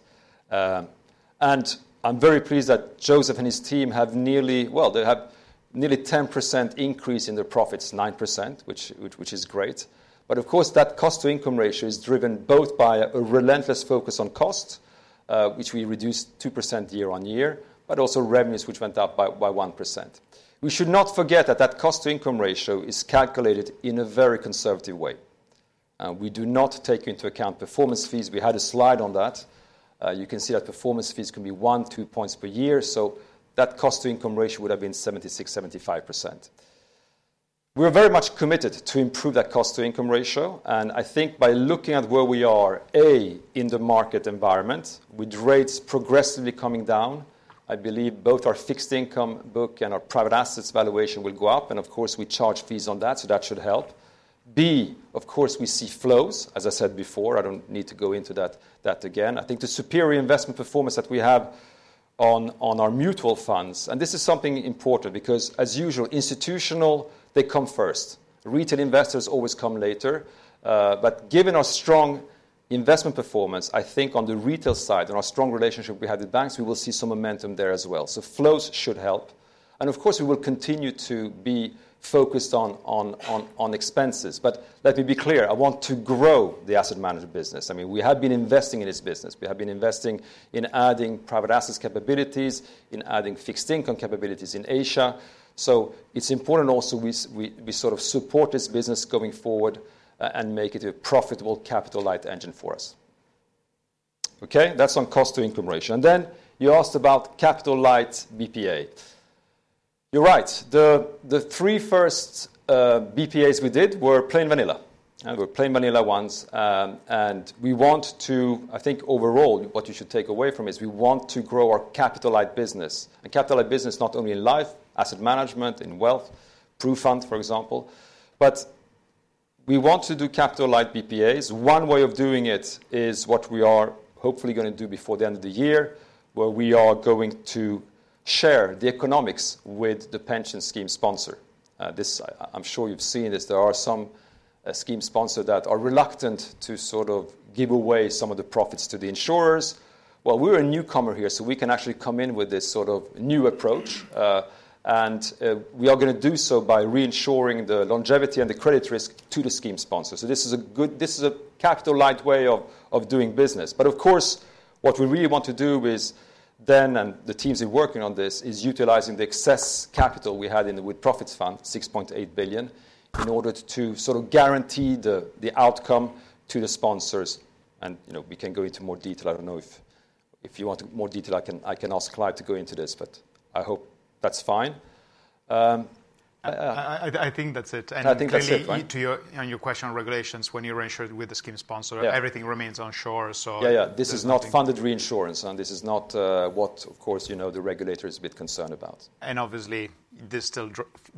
And I'm very pleased that Joseph and his team have nearly. Well, they have nearly 10% increase in their profits, 9%, which is great. But of course, that cost-to-income ratio is driven both by a relentless focus on cost, which we reduced 2% year on year, but also revenues, which went up by 1%. We should not forget that that cost-to-income ratio is calculated in a very conservative way. We do not take into account performance fees. We had a slide on that. You can see that performance fees can be one, two points per year, so that cost-to-income ratio would have been 76%-75%. We're very much committed to improve that cost-to-income ratio, and I think by looking at where we are, A, in the market environment, with rates progressively coming down, I believe both our fixed income book and our private assets valuation will go up, and of course, we charge fees on that, so that should help. B, of course, we see flows, as I said before, I don't need to go into that, that again. I think the superior investment performance that we have on our mutual funds, and this is something important, because as usual, institutional, they come first. Retail investors always come later. But given our strong investment performance, I think on the retail side and our strong relationship we have with banks, we will see some momentum there as well. So flows should help. And of course, we will continue to be focused on expenses. But let me be clear, I want to grow the asset management business. I mean, we have been investing in this business. We have been investing in adding private assets capabilities, in adding fixed income capabilities in Asia. So it's important also we support this business going forward, and make it a profitable capital-light engine for us. Okay, that's on cost-to-income ratio. And then, you asked about capital-light BPA. You're right. The three first BPAs we did were plain vanilla. Were plain vanilla ones, and we want to... I think overall, what you should take away from this, we want to grow our capital-light business. A capital-light business not only in life, asset management, in wealth, through fund, for example, but we want to do capital-light BPAs. One way of doing it is what we are hopefully going to do before the end of the year, where we are going to share the economics with the pension scheme sponsor. This, I'm sure you've seen this, there are some scheme sponsor that are reluctant to sort of give away some of the profits to the insurers. Well, we're a newcomer here, so we can actually come in with this sort of new approach, and we are going to do so by reinsuring the longevity and the credit risk to the scheme sponsor. This is a capital-light way of doing business. But of course, what we really want to do is then, and the teams are working on this, is utilizing the excess capital we had in the With-Profits Fund, 6.8 billion, in order to sort of guarantee the outcome to the sponsors. And, you know, we can go into more detail. I don't know if you want more detail, I can ask Clive to go into this, but I hope that's fine. I think that's it. I think that's it, right? Clearly, to your, on your question on regulations, when you reinsure with the scheme sponsor- Yeah... everything remains on shore, so- Yeah, yeah. This is not funded reinsurance, and this is not what, of course, you know, the regulator is a bit concerned about. And obviously, this still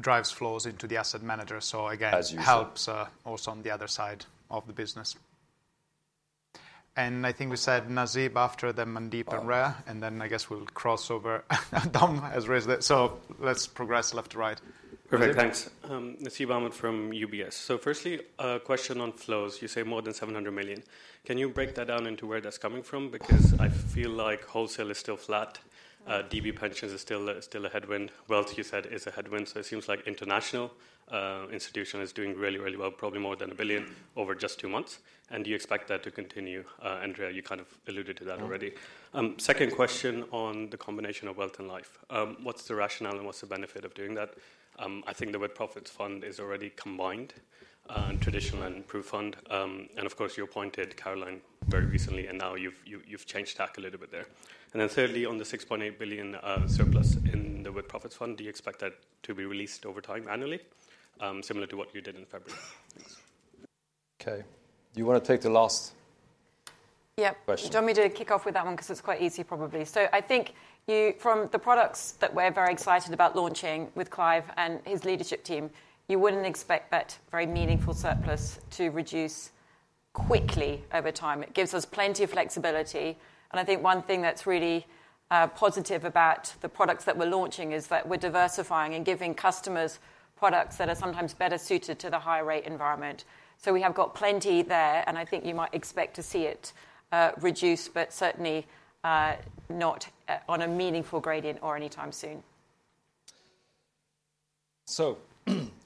drives flows into the asset manager. So again- As usual... helps, also on the other side of the business. And I think we said Nasib, after them, Mandeep and Rhea, and then I guess we'll cross over Dom as raised it. So let's progress left to right. Perfect, thanks. Nasib Ahmed from UBS. So firstly, a question on flows. You say more than 700 million. Can you break that down into where that's coming from? Because I feel like wholesale is still flat, DB pensions is still a headwind. Wealth, you said, is a headwind, so it seems like international, institution is doing really, really well, probably more than 1 billion over just two months. And do you expect that to continue? Andrea, you kind of alluded to that already. Mm-hmm. Second question on the combination of wealth and life. What's the rationale and what's the benefit of doing that? I think the With-Profits Fund is already combined, traditional and PruFund. And of course, you appointed Caroline very recently, and now you've changed tack a little bit there. And then thirdly, on the 6.8 billion surplus in the With-Profits Fund, do you expect that to be released over time annually, similar to what you did in February? Okay. Do you want to take the last- Yeah... question? Do you want me to kick off with that one? Because it's quite easy, probably. So I think you, from the products that we're very excited about launching with Clive and his leadership team, you wouldn't expect that very meaningful surplus to reduce quickly over time. It gives us plenty of flexibility, and I think one thing that's really positive about the products that we're launching is that we're diversifying and giving customers products that are sometimes better suited to the high rate environment. So we have got plenty there, and I think you might expect to see it reduce, but certainly not on a meaningful gradient or anytime soon.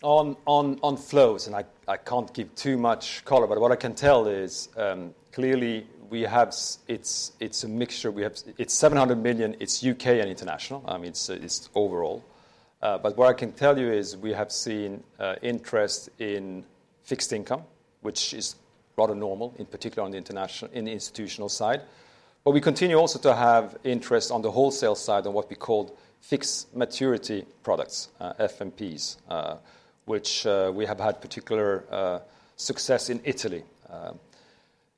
On flows, and I can't give too much color, but what I can tell is, clearly, we have, it's a mixture. We have. It's 700 million, it's U.K. and international, I mean, it's overall. But what I can tell you is we have seen interest in fixed income, which is rather normal, in particular on the international, in the institutional side. But we continue also to have interest on the wholesale side on what we call fixed maturity products, FMPs, which we have had particular success in Italy.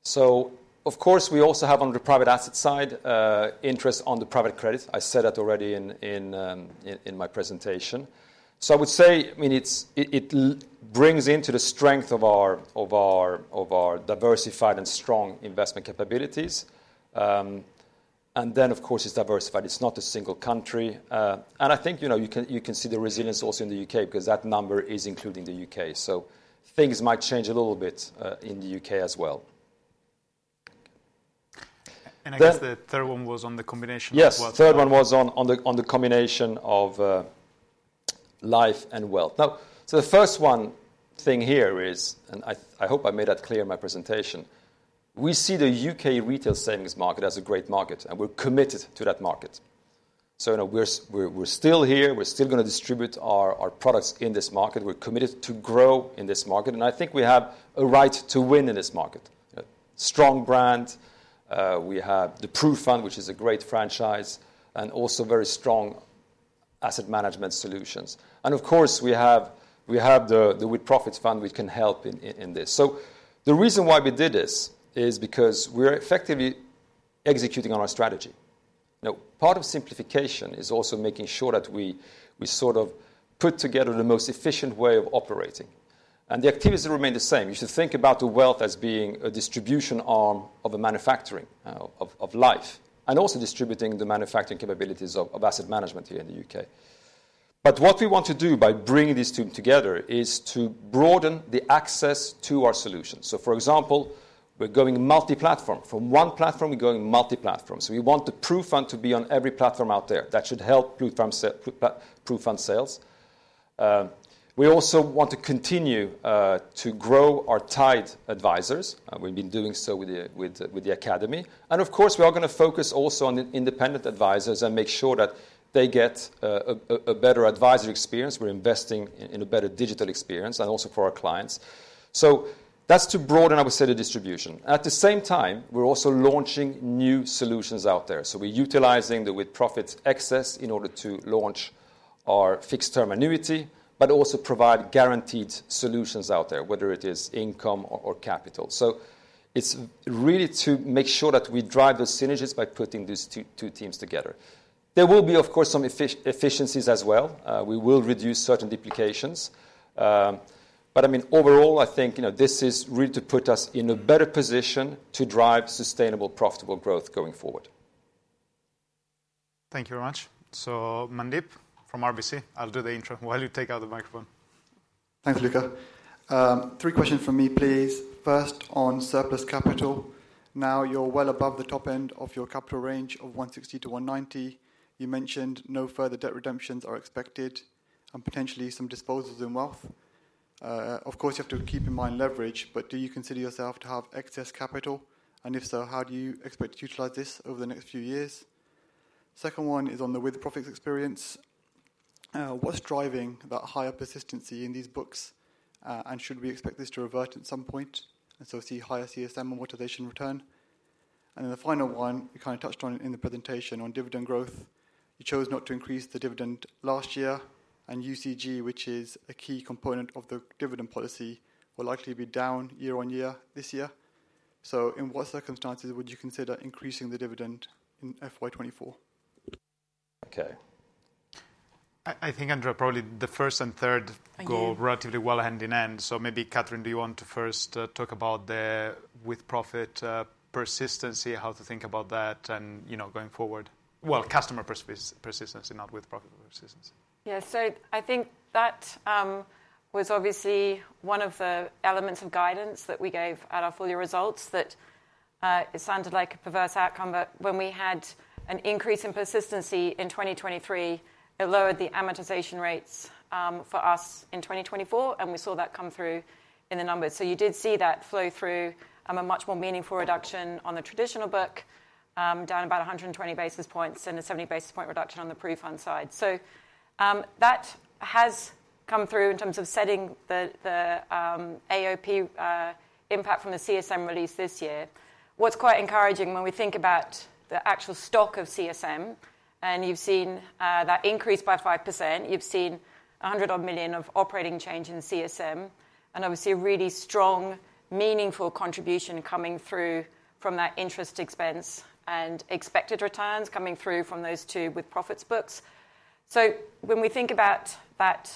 So of course, we also have, on the private asset side, interest on the private credit. I said that already in my presentation. I would say, I mean, it brings into the strength of our diversified and strong investment capabilities. And then, of course, it's diversified. It's not a single country. And I think, you know, you can see the resilience also in the U.K. because that number is including the U.K. Things might change a little bit in the U.K. as well. And I guess the third one was on the combination of wealth- Yes, the third one was on the combination of life and wealth. Now, the first thing here is, and I hope I made that clear in my presentation, we see the U.K. retail savings market as a great market, and we're committed to that market. So, you know, we're still here, we're still gonna distribute our products in this market. We're committed to grow in this market, and I think we have a right to win in this market. A strong brand, we have the PruFund, which is a great franchise, and also very strong asset management solutions. And of course, we have the With-Profits Fund, which can help in this. So the reason why we did this is because we're effectively executing on our strategy. Now, part of simplification is also making sure that we sort of put together the most efficient way of operating, and the activities remain the same. You should think about the wealth as being a distribution arm of a manufacturing of life, and also distributing the manufacturing capabilities of asset management here in the U.K. But what we want to do by bringing these two together is to broaden the access to our solutions. So, for example, we're going multi-platform. From one platform, we're going multi-platform. So we want the PruFund to be on every platform out there. That should help PruFund sales. We also want to continue to grow our tied advisers, and we've been doing so with the Academy. Of course, we are gonna focus also on the independent advisors and make sure that they get a better advisor experience. We're investing in a better digital experience and also for our clients. That's to broaden our set of distribution. At the same time, we're also launching new solutions out there. We're utilizing the with-profits excess in order to launch our fixed-term annuity, but also provide guaranteed solutions out there, whether it is income or capital. It's really to make sure that we drive those synergies by putting these two teams together. There will be, of course, some efficiencies as well. We will reduce certain duplications. But I mean, overall, I think, you know, this is really to put us in a better position to drive sustainable, profitable growth going forward. Thank you very much. So Mandeep from RBC, I'll do the intro while you take out the microphone. Thanks, Luca. Three questions from me, please. First, on surplus capital. Now, you're well above the top end of your capital range of 160%-190%. You mentioned no further debt redemptions are expected and potentially some disposals in wealth. Of course, you have to keep in mind leverage, but do you consider yourself to have excess capital? And if so, how do you expect to utilize this over the next few years? Second one is on the With-Profits experience. What's driving that higher persistency in these books, and should we expect this to revert at some point, and so see higher CSM and operating return? And then the final one, you kind of touched on it in the presentation on dividend growth. You chose not to increase the dividend last year, and OCG, which is a key component of the dividend policy, will likely be down year on year this year. So in what circumstances would you consider increasing the dividend in FY 24? Okay. I think, Andrea, probably the first and third- Thank you... go relatively well hand in hand. So maybe, Kathryn, do you want to first, talk about the with-profit, persistency, how to think about that and, you know, going forward? Well, customer persistency, not with-profit persistency. Yeah. So I think that was obviously one of the elements of guidance that we gave at our full year results, that it sounded like a perverse outcome. But when we had an increase in persistency in 2023, it lowered the amortization rates for us in 2024, and we saw that come through in the numbers. So you did see that flow through a much more meaningful reduction on the traditional book, down about 120 basis points and a 70 basis point reduction on the PruFund side. So that has come through in terms of setting the AOP impact from the CSM release this year. What's quite encouraging when we think about the actual stock of CSM, and you've seen, that increase by 5%, you've seen a hundred odd million of operating change in CSM, and obviously, a really strong, meaningful contribution coming through from that interest expense and expected returns coming through from those two With-Profits books. So when we think about that,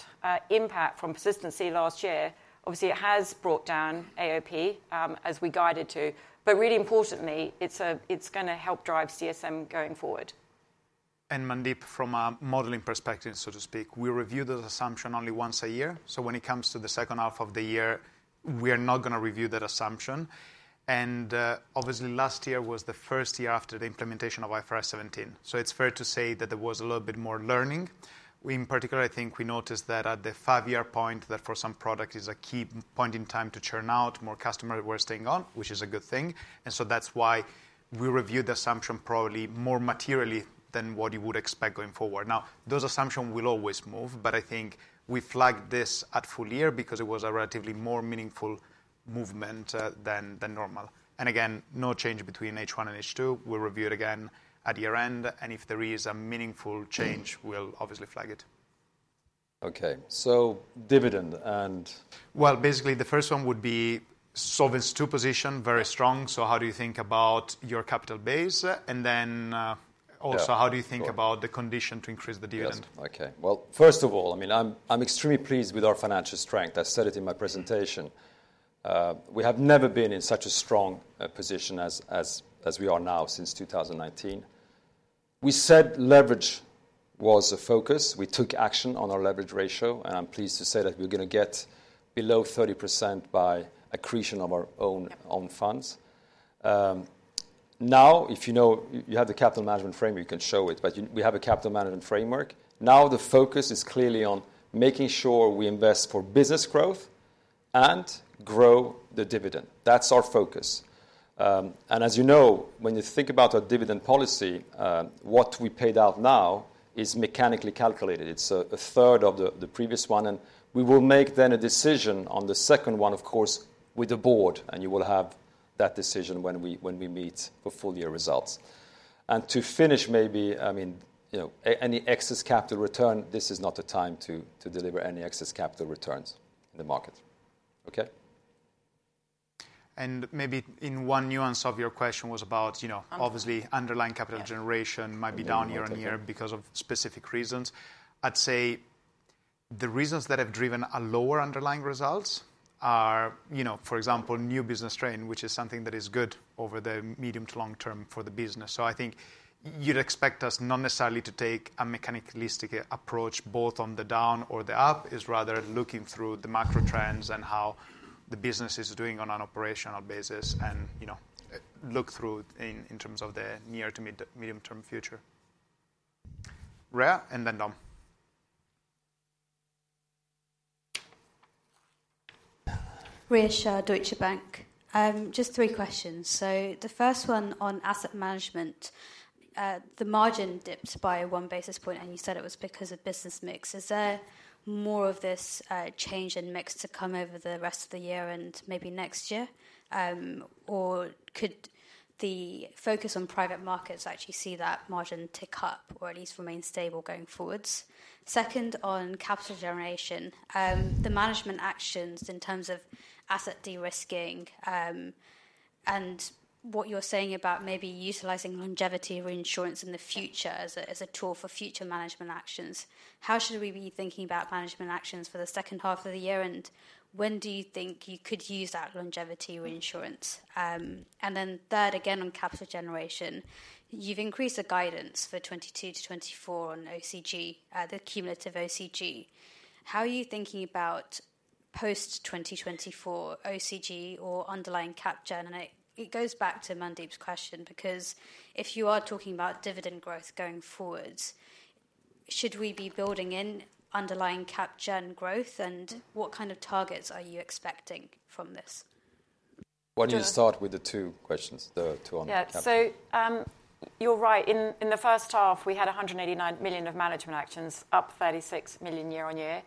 impact from persistency last year, obviously, it has brought down AOP, as we guided to, but really importantly, it's, it's gonna help drive CSM going forward. Mandeep, from a modeling perspective, so to speak, we review the assumption only once a year. When it comes to the second half of the year, we are not gonna review that assumption. Obviously, last year was the first year after the implementation of IFRS 17, so it's fair to say that there was a little bit more learning. We, in particular, I think we noticed that at the five-year point, that for some product, is a key point in time to churn out more customer who are staying on, which is a good thing. So that's why we reviewed the assumption probably more materially than what you would expect going forward. Now, those assumptions will always move, but I think we flagged this at full year because it was a relatively more meaningful movement than normal. Again, no change between H1 and H2. We'll review it again at year-end, and if there is a meaningful change, we'll obviously flag it.... Okay, so dividend and- Basically, the first one would be Solvency II position, very strong. So how do you think about your capital base? And then, Yeah ... also, how do you think about the condition to increase the dividend? Yes. Okay. Well, first of all, I mean, I'm extremely pleased with our financial strength. I said it in my presentation. We have never been in such a strong position as we are now since 2019. We said leverage was a focus. We took action on our leverage ratio, and I'm pleased to say that we're gonna get below 30% by accretion of our own funds. Now, if you know, you have the capital management framework, you can show it, but we have a capital management framework. Now, the focus is clearly on making sure we invest for business growth and grow the dividend. That's our focus. And as you know, when you think about our dividend policy, what we paid out now is mechanically calculated. It's a third of the previous one, and we will make then a decision on the second one, of course, with the board, and you will have that decision when we meet for full year results. And to finish, maybe, I mean, you know, any excess capital return, this is not the time to deliver any excess capital returns in the market. Okay? And maybe in one nuance of your question was about, you know- Um... obviously, underlying capital generation- Yeah Might be down year on year because of specific reasons. I'd say the reasons that have driven a lower underlying results are, you know, for example, new business strain, which is something that is good over the medium to long term for the business. So I think you'd expect us not necessarily to take a mechanistic approach, both on the down or the up, is rather looking through the macro trends and how the business is doing on an operational basis and, you know, look through in terms of the near to mid-term, medium-term future. Rhea, and then Dom. Rhea Shah, Deutsche Bank. Just three questions. So the first one on asset management. The margin dipped by one basis point, and you said it was because of business mix. Is there more of this change in mix to come over the rest of the year and maybe next year? Or could the focus on private markets actually see that margin tick up or at least remain stable going forwards? Second, on capital generation, the management actions in terms of asset de-risking, and what you're saying about maybe utilizing longevity reinsurance in the future as a tool for future management actions, how should we be thinking about management actions for the second half of the year, and when do you think you could use that longevity reinsurance? And then third, again, on capital generation, you've increased the guidance for 2022-2024 on OCG, the cumulative OCG. How are you thinking about post-2024 OCG or underlying cap gen? And it goes back to Mandeep's question, because if you are talking about dividend growth going forwards, should we be building in underlying cap gen growth, and what kind of targets are you expecting from this? Why don't you start with the two questions, the two on cap gen? Yeah. So, you're right. In the first half, we had 189 million of management actions, up 36 million year on year,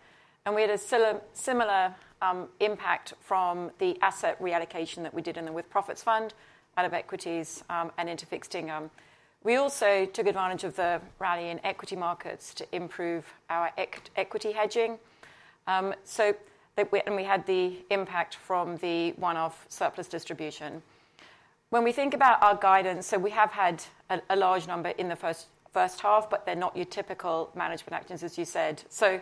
and we had a similar impact from the asset reallocation that we did in the With-Profits Fund, out of equities, and into fixed income. We also took advantage of the rally in equity markets to improve our equity hedging. So that we and we had the impact from the one-off surplus distribution. When we think about our guidance, we have had a large number in the first half, but they're not your typical management actions, as you said. So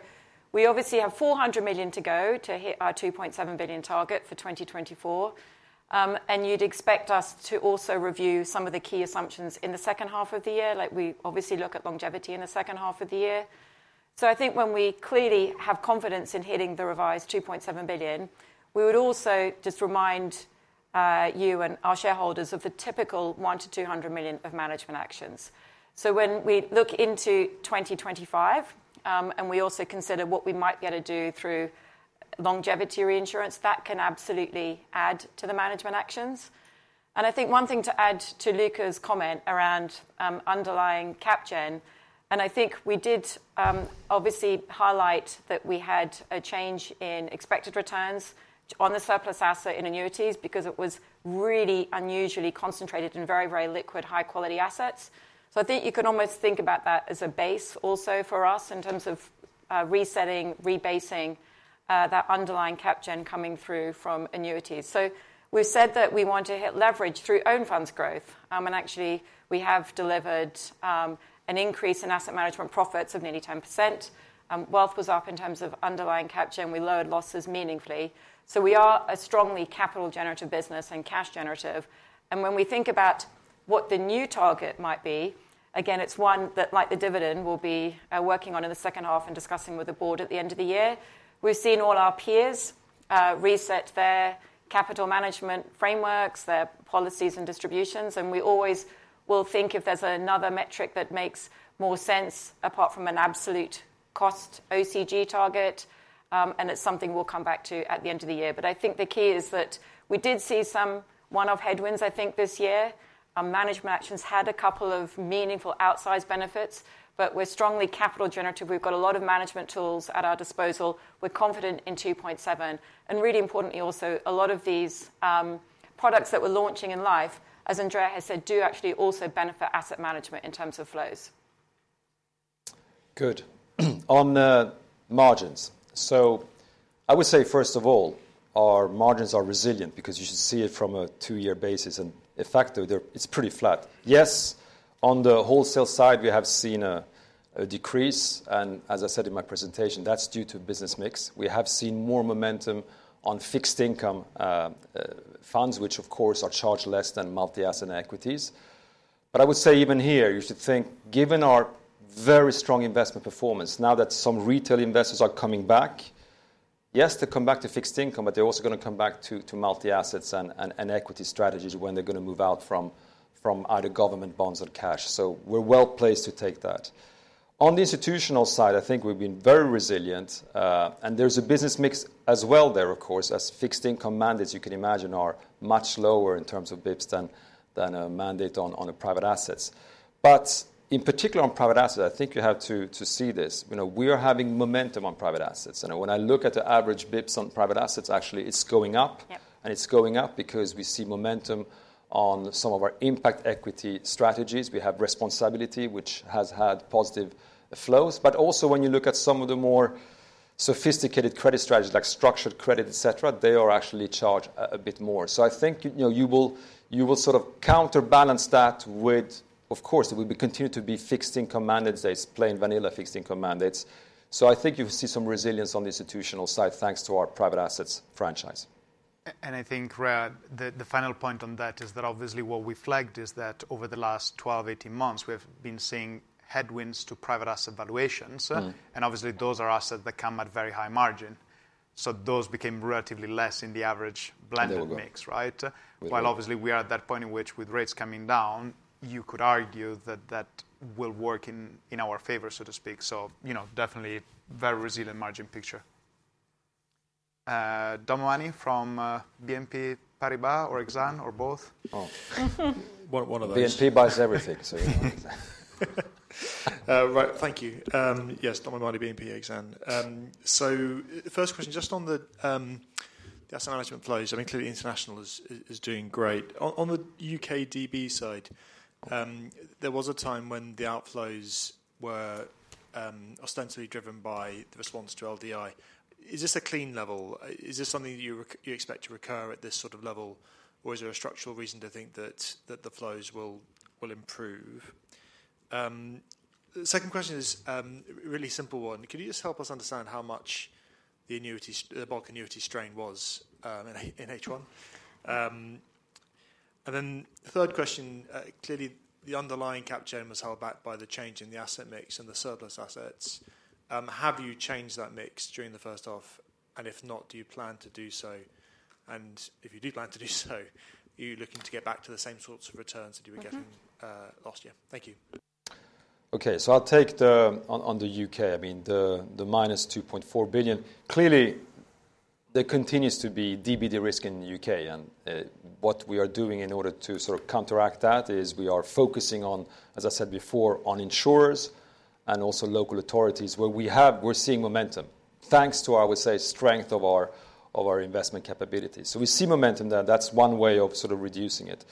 we obviously have 400 million to go to hit our 2.7 billion target for 2024. And you'd expect us to also review some of the key assumptions in the second half of the year, like we obviously look at longevity in the second half of the year. So I think when we clearly have confidence in hitting the revised 2.7 billion, we would also just remind you and our shareholders of the typical 100-200 million of management actions. So when we look into 2025, and we also consider what we might be able to do through longevity reinsurance, that can absolutely add to the management actions. And I think one thing to add to Luca's comment around underlying cap gen, and I think we did obviously highlight that we had a change in expected returns on the surplus asset in annuities because it was really unusually concentrated in very, very liquid, high-quality assets. So, I think you can almost think about that as a base also for us in terms of resetting, rebasing that underlying cap gen coming through from annuities, so we've said that we want to hit leverage through own funds growth, and actually, we have delivered an increase in asset management profits of nearly 10%. Wealth was up in terms of underlying cap gen. We lowered losses meaningfully, so we are a strongly capital generative business and cash generative, and when we think about what the new target might be, again, it's one that, like the dividend, we'll be working on in the second half and discussing with the board at the end of the year. We've seen all our peers reset their capital management frameworks, their policies and distributions, and we always will think if there's another metric that makes more sense apart from an absolute cost OCG target, and it's something we'll come back to at the end of the year. But I think the key is that we did see some one-off headwinds, I think, this year. Our management actions had a couple of meaningful outsized benefits, but we're strongly capital generative. We've got a lot of management tools at our disposal. We're confident in two point seven, and really importantly, also, a lot of these products that we're launching in Life, as Andrea has said, do actually also benefit asset management in terms of flows. Good. On the margins, so I would say, first of all, our margins are resilient because you should see it from a two-year basis, and in fact, though, they're. It's pretty flat. Yes, on the wholesale side, we have seen a decrease, and as I said in my presentation, that's due to business mix. We have seen more momentum on fixed income funds, which of course are charged less than multi-asset and equities. But I would say even here, you should think, given our very strong investment performance, now that some retail investors are coming back, yes, they come back to fixed income, but they're also going to come back to multi-assets and equity strategies when they're going to move out from either government bonds or cash. So we're well placed to take that. On the institutional side, I think we've been very resilient, and there's a business mix as well there, of course, as fixed income mandates, you can imagine, are much lower in terms of basis points than a mandate on the private assets. But in particular, on private assets, I think you have to see this. You know, we are having momentum on private assets. You know, when I look at the average basis points on private assets, actually, it's going up. Yep. It's going up because we see momentum on some of our impact equity strategies. We have responsAbility, which has had positive flows. But also, when you look at some of the more sophisticated credit strategies, like structured credit, et cetera, they are actually charged a bit more. So I think, you know, you will sort of counterbalance that with... Of course, it will continue to be fixed income mandates, that's plain vanilla fixed income mandates. So I think you'll see some resilience on the institutional side, thanks to our private assets franchise. And I think, Rhea, the final point on that is that obviously what we flagged is that over the last 12, 18 months, we have been seeing headwinds to private asset valuations. Mm-hmm. Obviously, those are assets that come at very high margin, so those became relatively less in the average blended mix, right? There we go. While obviously, we are at that point in which with rates coming down, you could argue that that will work in, in our favor, so to speak. So, you know, definitely very resilient margin picture. Dominic O'Mahony from BNP Paribas Exane? One of those. BNP buys everything, so... Right. Thank you. Yes, Dominic O'Mahony, BNP Paribas Exane. So first question, just on the asset management flows. I mean, clearly, international is doing great. On the U.K. DB side, there was a time when the outflows were ostensibly driven by the response to LDI. Is this a clean level? Is this something you expect to recur at this sort of level, or is there a structural reason to think that the flows will improve? Second question is really simple one: Can you just help us understand how much the annuity - the bulk annuity strain was in H1? And then third question, clearly, the underlying cap gen was held back by the change in the asset mix and the surplus assets. Have you changed that mix during the first half? And if not, do you plan to do so? And if you do plan to do so, are you looking to get back to the same sorts of returns that you were getting- Mm-hmm... last year? Thank you. Okay, so I'll take on the U.K. I mean, the -2.4 billion. Clearly, there continues to be DB risk in the U.K, and what we are doing in order to sort of counteract that is we are focusing on, as I said before, on insurers and also local authorities, where we're seeing momentum, thanks to, I would say, strength of our investment capabilities. So we see momentum there. That's one way of sort of reducing it.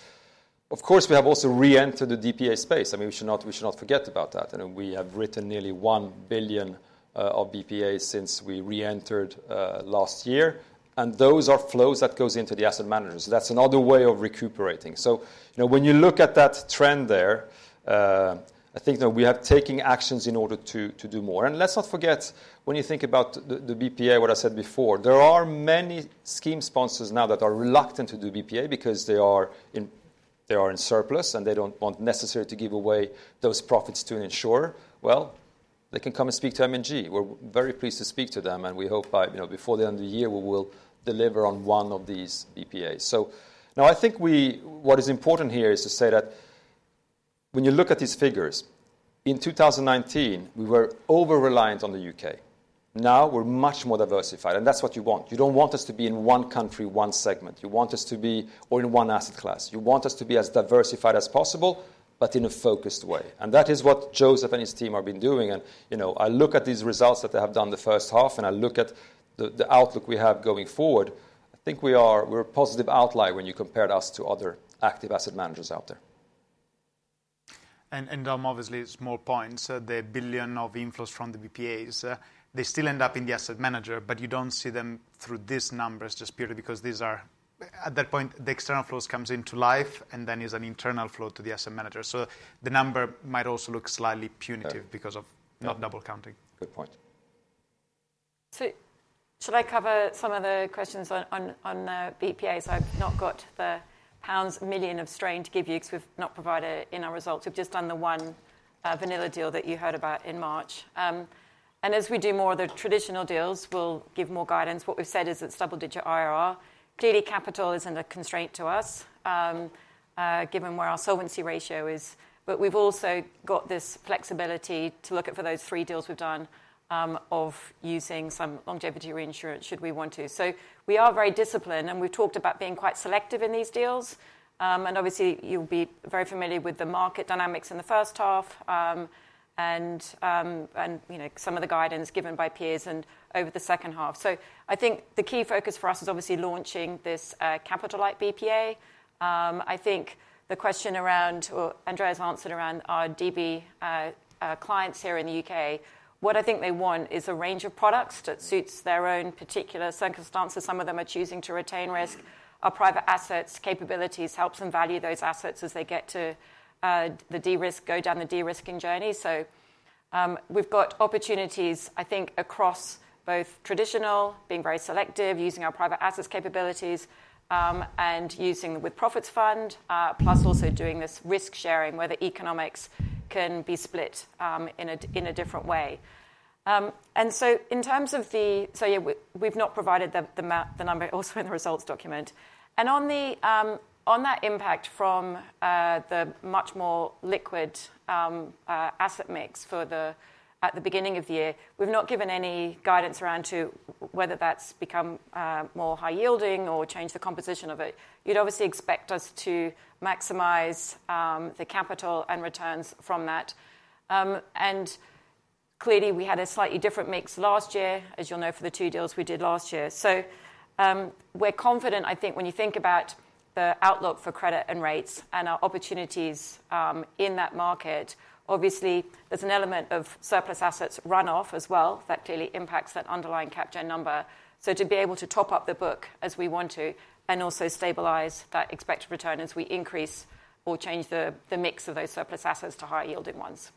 Of course, we have also re-entered the BPA space. I mean, we should not, we should not forget about that. And we have written nearly 1 billion of BPA since we re-entered last year, and those are flows that goes into the asset managers. That's another way of recuperating. So, you know, when you look at that trend there, I think that we have taking actions in order to do more, and let's not forget, when you think about the BPA, what I said before, there are many scheme sponsors now that are reluctant to do BPA because they are in surplus, and they don't want necessarily to give away those profits to an insurer, well, they can come and speak to M&G. We're very pleased to speak to them, and we hope by, you know, before the end of the year, we will deliver on one of these BPAs, so now, I think what is important here is to say that when you look at these figures, in 2019, we were over-reliant on the U.K. Now, we're much more diversified, and that's what you want. You don't want us to be in one country, one segment. You want us to be... or in one asset class. You want us to be as diversified as possible, but in a focused way, and that is what Joseph and his team have been doing. And, you know, I look at these results that they have done the first half, and I look at the outlook we have going forward. I think we're a positive outlier when you compared us to other active asset managers out there. Obviously, small points, the billion of inflows from the BPAs, they still end up in the asset manager, but you don't see them through these numbers, just purely because these are. At that point, the external flows comes into life and then is an internal flow to the asset manager. So the number might also look slightly punitive. Yeah... because of not double counting. Good point. So should I cover some of the questions on the BPAs? I've not got the pounds million of strain to give you because we've not provided it in our results. We've just done the one vanilla deal that you heard about in March. And as we do more of the traditional deals, we'll give more guidance. What we've said is it's double-digit IRR. Clearly, capital isn't a constraint to us, given where our solvency ratio is, but we've also got this flexibility to look at for those three deals we've done, of using some longevity reinsurance, should we want to. So we are very disciplined, and we've talked about being quite selective in these deals. And obviously, you'll be very familiar with the market dynamics in the first half, and you know, some of the guidance given by peers and over the second half. So I think the key focus for us is obviously launching this capital-light BPA. I think the question around Andrea's answered around our DB clients here in the U.K. What I think they want is a range of products that suits their own particular circumstances. Some of them are choosing to retain risk. Our private assets capabilities helps them value those assets as they get to the de-risk, go down the de-risking journey. So... We've got opportunities, I think, across both traditional, being very selective, using our private assets capabilities, and using With-Profits Fund, plus also doing this risk-sharing, where the economics can be split in a different way. And so in terms of the, so, yeah, we've not provided the number also in the results document. And on the, on that impact from the much more liquid asset mix at the beginning of the year, we've not given any guidance around whether that's become more high yielding or changed the composition of it. You'd obviously expect us to maximize the capital and returns from that. And clearly, we had a slightly different mix last year, as you'll know, for the two deals we did last year. So, we're confident, I think when you think about the outlook for credit and rates and our opportunities, in that market, obviously there's an element of surplus assets run off as well. That clearly impacts that underlying capture number. So to be able to top up the book as we want to and also stabilize that expected return as we increase or change the mix of those surplus assets to higher yielding ones.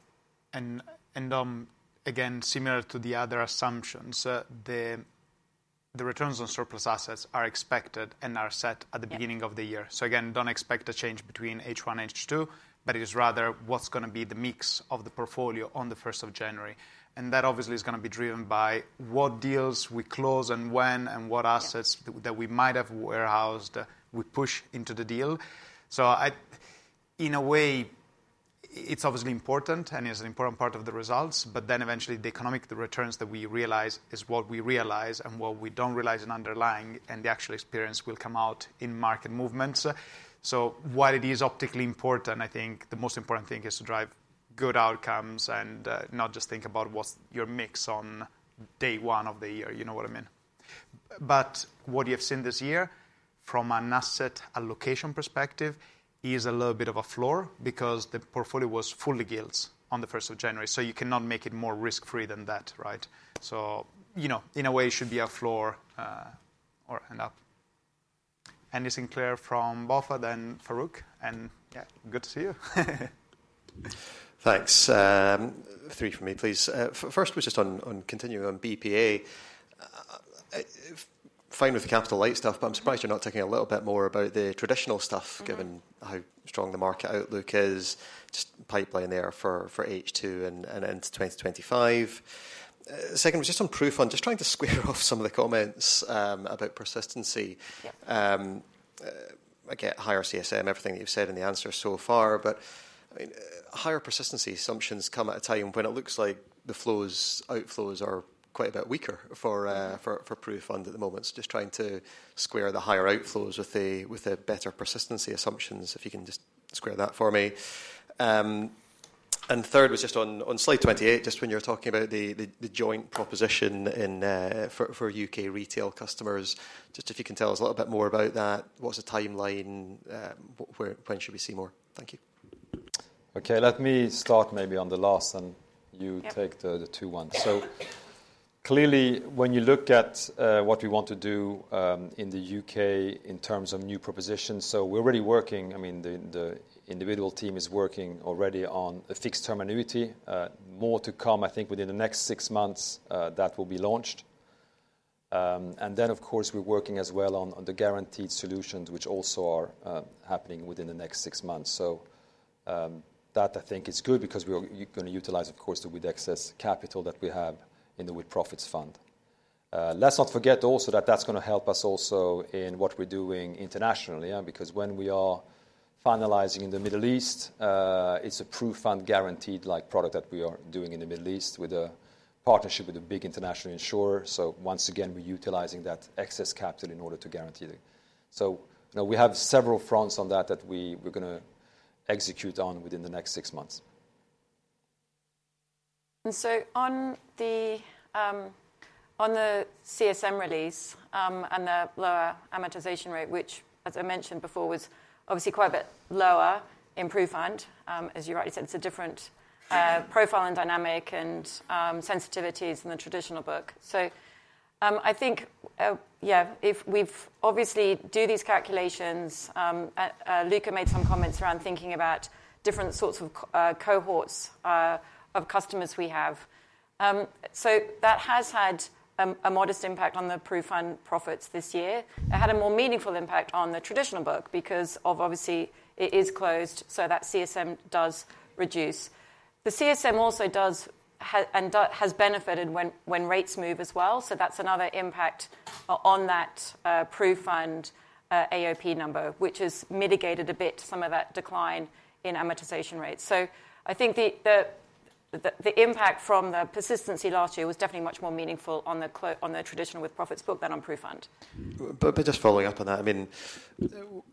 Again, similar to the other assumptions, the returns on surplus assets are expected and are set at the beginning of the year. Yeah. So again, don't expect a change between H1 and H2, but it is rather what's going to be the mix of the portfolio on the first of January, and that obviously is going to be driven by what deals we close and when, and what assets. Yeah... that we might have warehoused we push into the deal. So in a way, it's obviously important and is an important part of the results, but then eventually the economic, the returns that we realize is what we realize and what we don't realize in underlying, and the actual experience will come out in market movements. So while it is optically important, I think the most important thing is to drive good outcomes and not just think about what's your mix on day one of the year. You know what I mean? But what you have seen this year, from an asset allocation perspective, is a little bit of a floor because the portfolio was fully gilts on the first of January, so you cannot make it more risk-free than that, right? You know, in a way, it should be a floor or an up. Andy Sinclair from BofA, then Farooq, and yeah, good to see you. Thanks. Three from me, please. First, was just on continuing on BPA. Fine with the capital light stuff, but I'm surprised you're not talking a little bit more about the traditional stuff- Mm-hmm... given how strong the market outlook is. Just pipeline there for H2 and into 2025. Second, was just on PruFund just trying to square off some of the comments about persistency. Yeah. I get higher CSM, everything that you've said in the answers so far, but, I mean, higher persistency assumptions come at a time when it looks like the flows, outflows are quite a bit weaker for PruFund at the moment. So just trying to square the higher outflows with a better persistency assumptions, if you can just square that for me. And third was just on slide 28, just when you were talking about the joint proposition for U.K retail customers. Just if you can tell us a little bit more about that. What's the timeline? Where, when should we see more? Thank you. Okay, let me start maybe on the last, and- Yeah... you take the two ones. So clearly, when you look at what we want to do in the U.K. in terms of new propositions, so we're already working. I mean, the individual team is working already on a fixed-term annuity. More to come, I think within the next six months, that will be launched. And then, of course, we're working as well on the guaranteed solutions, which also are happening within the next six months. So, that, I think, is good because we are going to utilize, of course, the With excess capital that we have in the With-Profits Fund. Let's not forget also that that's going to help us also in what we're doing internationally, yeah, because when we are finalizing in the Middle East, it's a PruFund, guaranteed like product that we are doing in the Middle East with a partnership with a big international insurer. So once again, we're utilizing that excess capital in order to guarantee it. So, you know, we have several fronts on that, we're going to execute on within the next six months. And so on the CSM release and the lower amortization rate, which, as I mentioned before, was obviously quite a bit lower in PruFund, as you rightly said, it's a different profile and dynamic and sensitivities than the traditional book. So, I think, yeah, if we've obviously do these calculations, Luca made some comments around thinking about different sorts of cohorts of customers we have. So that has had a modest impact on the PruFund profits this year. It had a more meaningful impact on the traditional book because of obviously it is closed, so that CSM does reduce. The CSM also does and has benefited when rates move as well, so that's another impact on that PruFund AOP number, which has mitigated a bit some of that decline in amortization rates. So I think the impact from the persistency last year was definitely much more meaningful on the traditional With-Profits book than on PruFund. But just following up on that, I mean,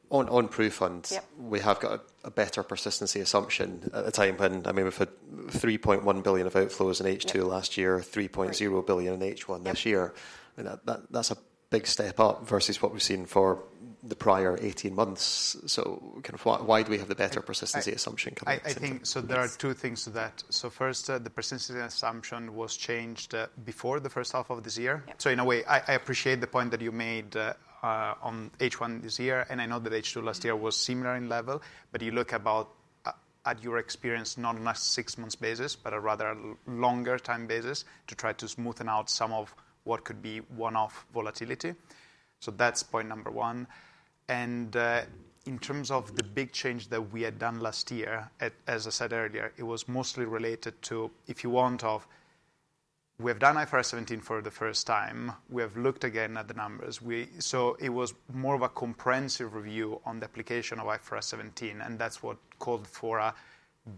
on PruFund- Yeah... we have got a better persistency assumption at a time when, I mean, we've had 3.1 billion of outflows in H2 last year- Yeah… 3.0 billion in H1 this year. And that, that's a big step up versus what we've seen for the prior eighteen months. So kind of why, why do we have the better persistency assumption coming into place? I think, so there are two things to that. So first, the persistency assumption was changed before the first half of this year. Yeah. So in a way, I appreciate the point that you made on H1 this year, and I know that H2 last year was similar in level. But you look at your experience, not on a six months basis, but a rather longer time basis, to try to smoothen out some of what could be one-off volatility. So that's point number one. And in terms of the big change that we had done last year, as I said earlier, it was mostly related to, if you want, of we have done IFRS 17 for the first time. We have looked again at the numbers. So it was more of a comprehensive review on the application of IFRS 17, and that's what called for a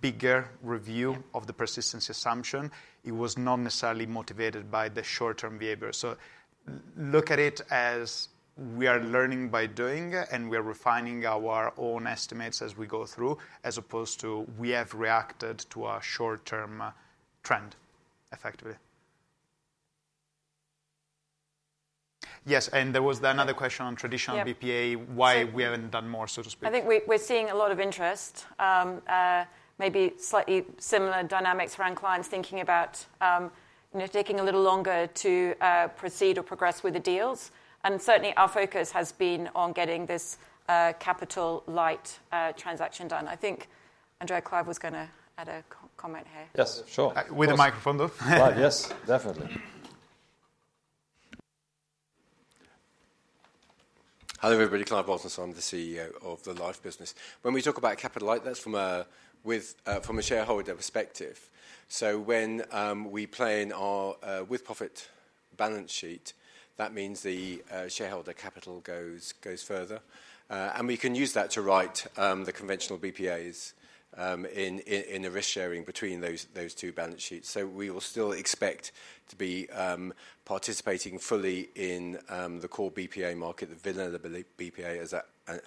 bigger review of the persistence assumption. It was not necessarily motivated by the short-term behavior. So look at it as we are learning by doing, and we are refining our own estimates as we go through, as opposed to we have reacted to a short-term trend, effectively. Yes, and there was another question on traditional BPA- Yep... why we haven't done more, so to speak. I think we, we're seeing a lot of interest, maybe slightly similar dynamics around clients thinking about, you know, taking a little longer to proceed or progress with the deals. And certainly, our focus has been on getting this, capital light, transaction done. I think Andrea and Clive was going to add a comment here. Yes, sure. With the microphone, though. Right, yes, definitely. Hello, everybody. Clive Bolton, I'm the CEO of the Life business. When we talk about capital light, that's from a with, from a shareholder perspective. So when we play in our With-Profits balance sheet, that means the shareholder capital goes further, and we can use that to write the conventional BPAs in the risk sharing between those two balance sheets. So we will still expect to be participating fully in the core BPA market, the vanilla BPA, as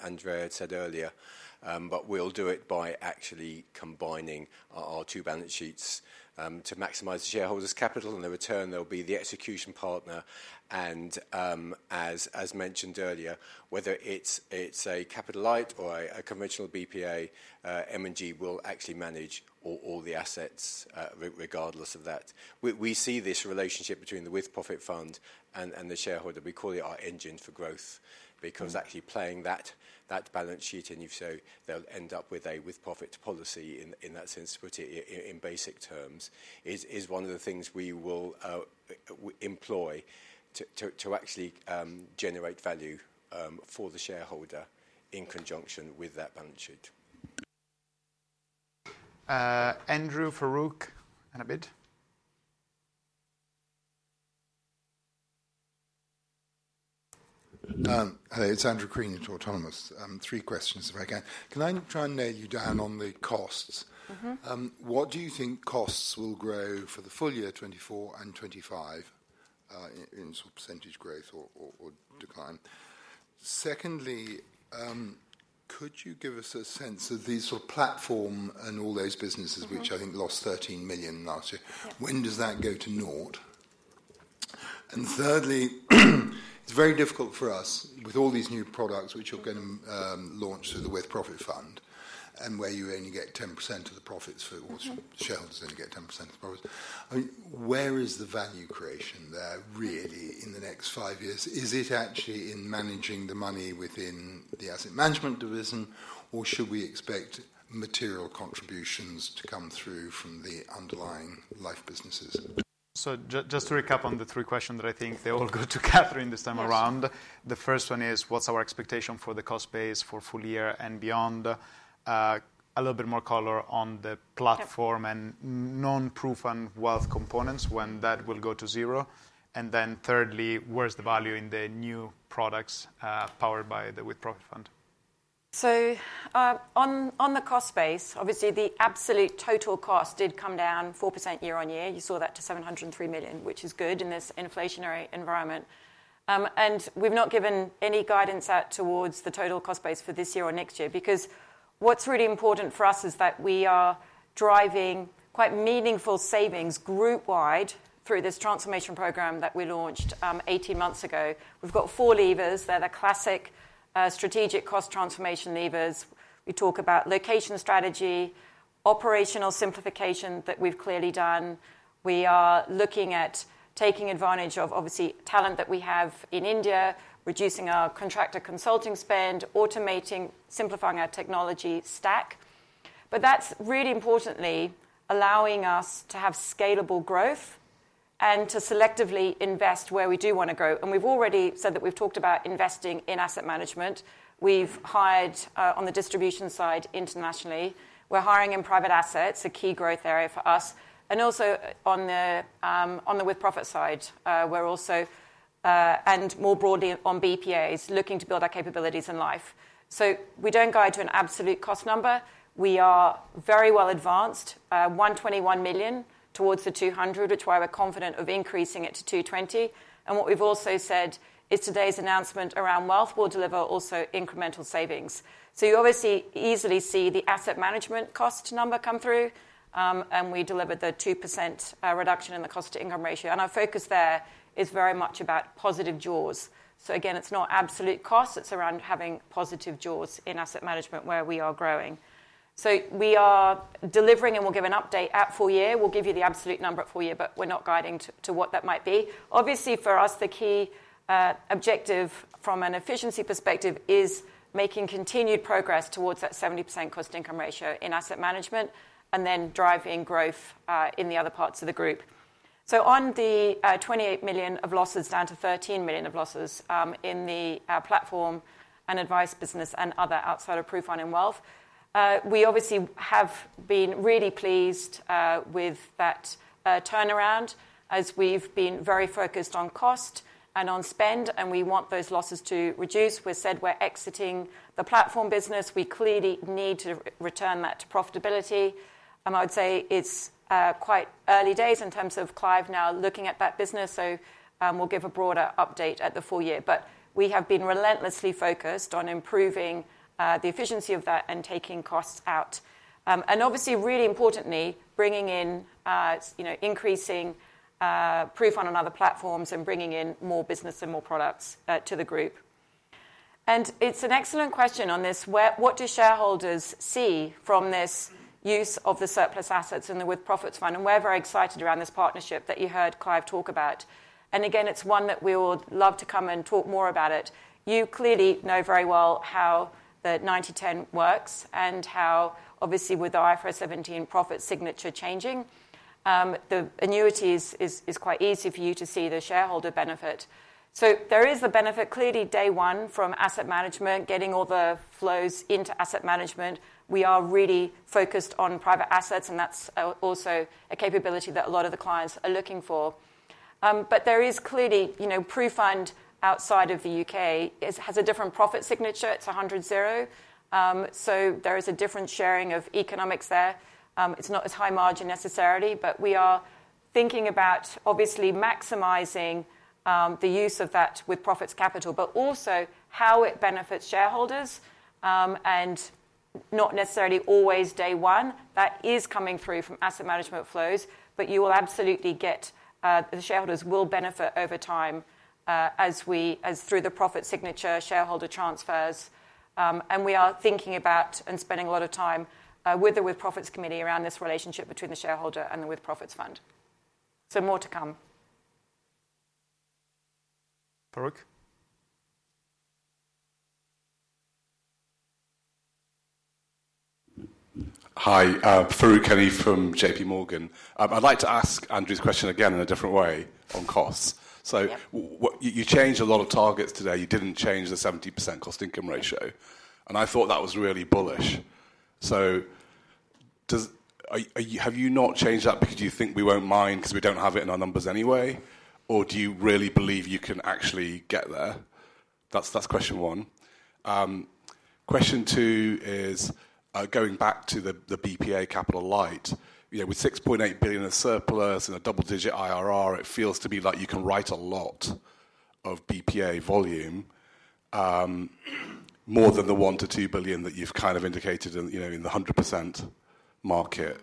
Andrea had said earlier, but we'll do it by actually combining our two balance sheets to maximize the shareholders' capital. In return, they'll be the execution partner, and as mentioned earlier, whether it's a capital light or a conventional BPA, M&G will actually manage all the assets, regardless of that. We see this relationship between the With-Profits Fund and the shareholder. We call it our engine for growth, because actually playing that balance sheet, and if so, they'll end up with a With-Profits policy in that sense, to put it in basic terms, is one of the things we will employ to actually generate value for the shareholder in conjunction with that balance sheet. Andrew, Farooq, and Abid? Hello, it's Andrew Creelman at Autonomous. Three questions, if I can. Can I try and nail you down on the costs? Mm-hmm. What do you think costs will grow for the full year, 2024 and 2025, in sort of percentage growth or decline? Secondly, could you give us a sense of the sort of platform and all those businesses- Mm-hmm... which I think lost 13 million last year? Yeah. When does that go to naught? And thirdly, it's very difficult for us, with all these new products which you're going to launch through the With-Profits Fund, and where you only get 10% of the profits for- Mm-hmm... shareholders only get 10% of the profits. I mean, where is the value creation there, really, in the next five years? Is it actually in managing the money within the asset management division, or should we expect material contributions to come through from the underlying life businesses? Just to recap on the three questions, that I think they all go to Kathryn this time around. Yes. The first one is, what's our expectation for the cost base for full year and beyond? A little bit more color on the platform- Yeah... and non-profit and wealth components, when that will go to zero. And then thirdly, where's the value in the new products, powered by the With-Profits Fund? On the cost base, obviously, the absolute total cost did come down 4% year on year. You saw that to 703 million, which is good in this inflationary environment. And we've not given any guidance out towards the total cost base for this year or next year, because what's really important for us is that we are driving quite meaningful savings group wide through this transformation program that we launched 18 months ago. We've got 4 levers. They're the classic strategic cost transformation levers. We talk about location strategy, operational simplification that we've clearly done. We are looking at taking advantage of, obviously, talent that we have in India, reducing our contractor consulting spend, automating, simplifying our technology stack. But that's really importantly allowing us to have scalable growth and to selectively invest where we do wanna grow. We've already said that we've talked about investing in asset management. We've hired on the distribution side internationally. We're hiring in private assets, a key growth area for us, and also on the with profit side, we're also and more broadly on BPAs, looking to build our capabilities in life. We don't guide to an absolute cost number. We are very well advanced, 121 million towards the 200, which is why we're confident of increasing it to 220. What we've also said is today's announcement around wealth will deliver also incremental savings. You obviously easily see the asset management cost number come through, and we delivered the 2% reduction in the cost-to-income ratio, and our focus there is very much about positive jaws. So again, it's not absolute cost, it's around having positive jaws in asset management where we are growing. So we are delivering, and we'll give an update at full year. We'll give you the absolute number at full year, but we're not guiding to what that might be. Obviously, for us, the key objective from an efficiency perspective is making continued progress towards that 70% cost-to-income ratio in asset management, and then driving growth in the other parts of the group. So on the 28 million of losses down to 13 million of losses in the platform and advice business and other outside of PruFund and Wealth, we obviously have been really pleased with that turnaround as we've been very focused on cost and on spend, and we want those losses to reduce. We've said we're exiting the platform business. We clearly need to return that to profitability. I would say it's quite early days in terms of Clive now looking at that business, so we'll give a broader update at the full year. But we have been relentlessly focused on improving the efficiency of that and taking costs out. And obviously, really importantly, bringing in you know increasing PruFund on other platforms and bringing in more business and more products to the group. And it's an excellent question on this. Where what do shareholders see from this use of the surplus assets in the With-Profits Fund? And we're very excited around this partnership that you heard Clive talk about. And again, it's one that we would love to come and talk more about it. You clearly know very well how the ninety/ten works and how, obviously, with the IFRS 17 profit signature changing, the annuities is quite easy for you to see the shareholder benefit. So there is the benefit, clearly, day one, from asset management, getting all the flows into asset management. We are really focused on private assets, and that's also a capability that a lot of the clients are looking for. But there is clearly, you know, PruFund outside of the U.K., it has a different profit signature. It's a hundred zero, so there is a different sharing of economics there. It's not as high margin necessarily, but we are thinking about obviously maximizing the use of that with profits capital, but also how it benefits shareholders, and not necessarily always day one. That is coming through from asset management flows, but you will absolutely get, the shareholders will benefit over time, as through the profit signature, shareholder transfers. And we are thinking about and spending a lot of time with the With-Profits Committee around this relationship between the shareholder and the With-Profits Fund. So more to come. Farooq? Hi, Farooq Hanif from J.P. Morgan. I'd like to ask Andrew's question again in a different way on costs. Yeah. So, you changed a lot of targets today. You didn't change the 70% cost-to-income ratio, and I thought that was really bullish. Have you not changed that because you think we won't mind because we don't have it in our numbers anyway? Or do you really believe you can actually get there? That's question one. Question two is going back to the BPA Capital Light. You know, with 6.8 billion in surplus and a double-digit IRR, it feels to me like you can write a lot of BPA volume, more than the 1-2 billion that you've kind of indicated in, you know, in the 100% market.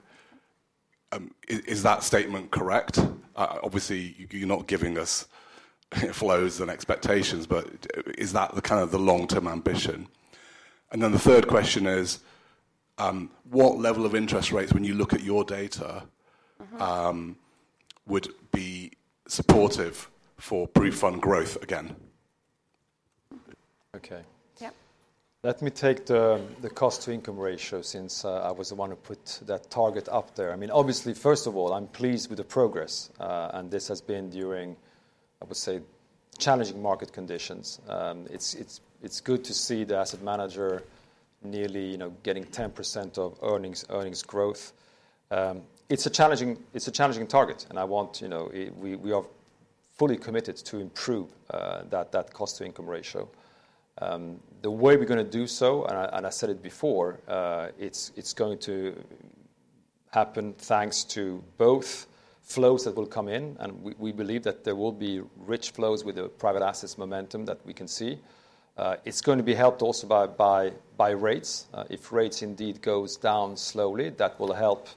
Is that statement correct? Obviously, you're not giving us flows and expectations, but is that the kind of long-term ambition? And then the third question is, what level of interest rates, when you look at your data- Mm-hmm... would be supportive for PruFund growth again? Okay. Yeah. Let me take the cost-to-income ratio since I was the one who put that target up there. I mean, obviously, first of all, I'm pleased with the progress, and this has been during, I would say, challenging market conditions. It's good to see the asset manager nearly, you know, getting 10% earnings growth. It's a challenging target, and I want, you know, we are fully committed to improve that cost-to-income ratio. The way we're going to do so, and I said it before, it's going to happen thanks to both flows that will come in, and we believe that there will be rich flows with the private assets momentum that we can see. It's going to be helped also by rates. If rates indeed goes down slowly, that will help,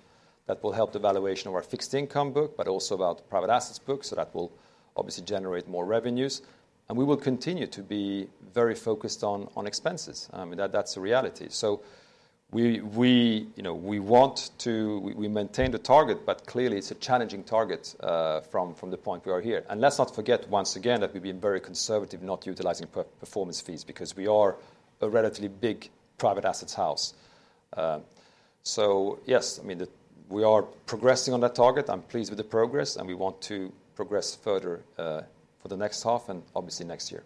that will help the valuation of our fixed income book, but also of our private assets book, so that will obviously generate more revenues. And we will continue to be very focused on expenses. That, that's a reality. So we, you know, we want to-- we maintain the target, but clearly, it's a challenging target, from the point we are here. And let's not forget, once again, that we've been very conservative, not utilizing performance fees, because we are a relatively big private assets house. So yes, I mean, we are progressing on that target. I'm pleased with the progress, and we want to progress further, for the next half and obviously next year.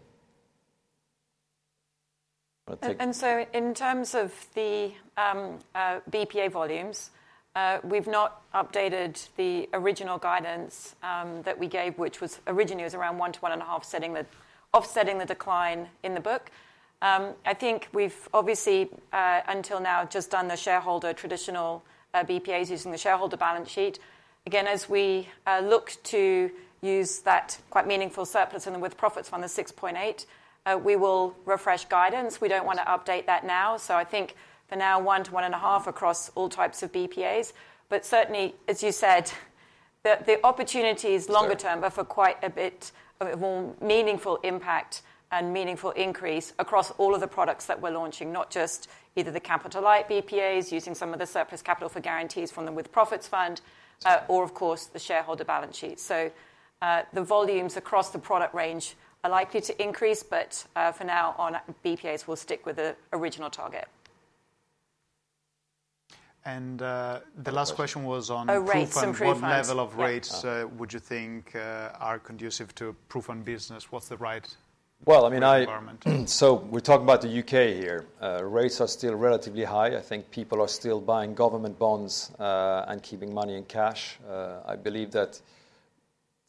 Want to take- And so in terms of the BPA volumes, we've not updated the original guidance that we gave, which was originally around 1-1.5, offsetting the decline in the book. I think we've obviously until now just done the shareholder traditional BPAs using the shareholder balance sheet. Again, as we look to use that quite meaningful surplus in the With-Profits Fund, the 6.8, we will refresh guidance. We don't want to update that now. So I think for now, 1-1.5 across all types of BPAs. But certainly, as you said, the opportunities longer term- So-... are for quite a bit of a more meaningful impact and meaningful increase across all of the products that we're launching, not just either the Capital Light BPAs, using some of the surplus capital for guarantees from the With-Profits Fund, or of course, the shareholder balance sheet. So, the volumes across the product range are likely to increase, but, for now, on BPAs, we'll stick with the original target.... And, the last question was on- Oh, rates and profits. What level of rates, would you think, are conducive to PruFund business? What's the right- Well, I mean, -environment? We're talking about the U.K. here. Rates are still relatively high. I think people are still buying government bonds and keeping money in cash. I believe that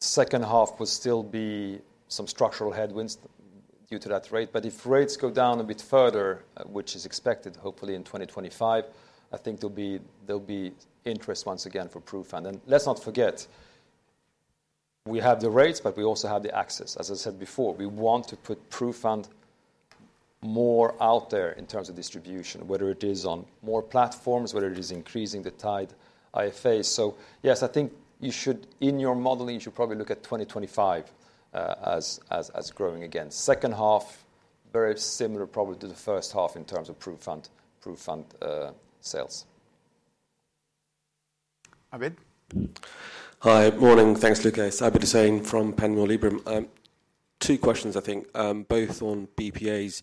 second half will still be some structural headwinds due to that rate. But if rates go down a bit further, which is expected, hopefully in 2025, I think there'll be interest once again for PruFund. And let's not forget, we have the rates, but we also have the access. As I said before, we want to put PruFund more out there in terms of distribution, whether it is on more platforms, whether it is increasing the tied IFAs. Yes, I think you should in your modelling, you should probably look at 2025 as growing again. Second half, very similar probably to the first half in terms of PruFund sales. Abid? Hi. Morning. Thanks, Luca. Abid Hussain from Panmure Gordon. Two questions I think, both on BPAs.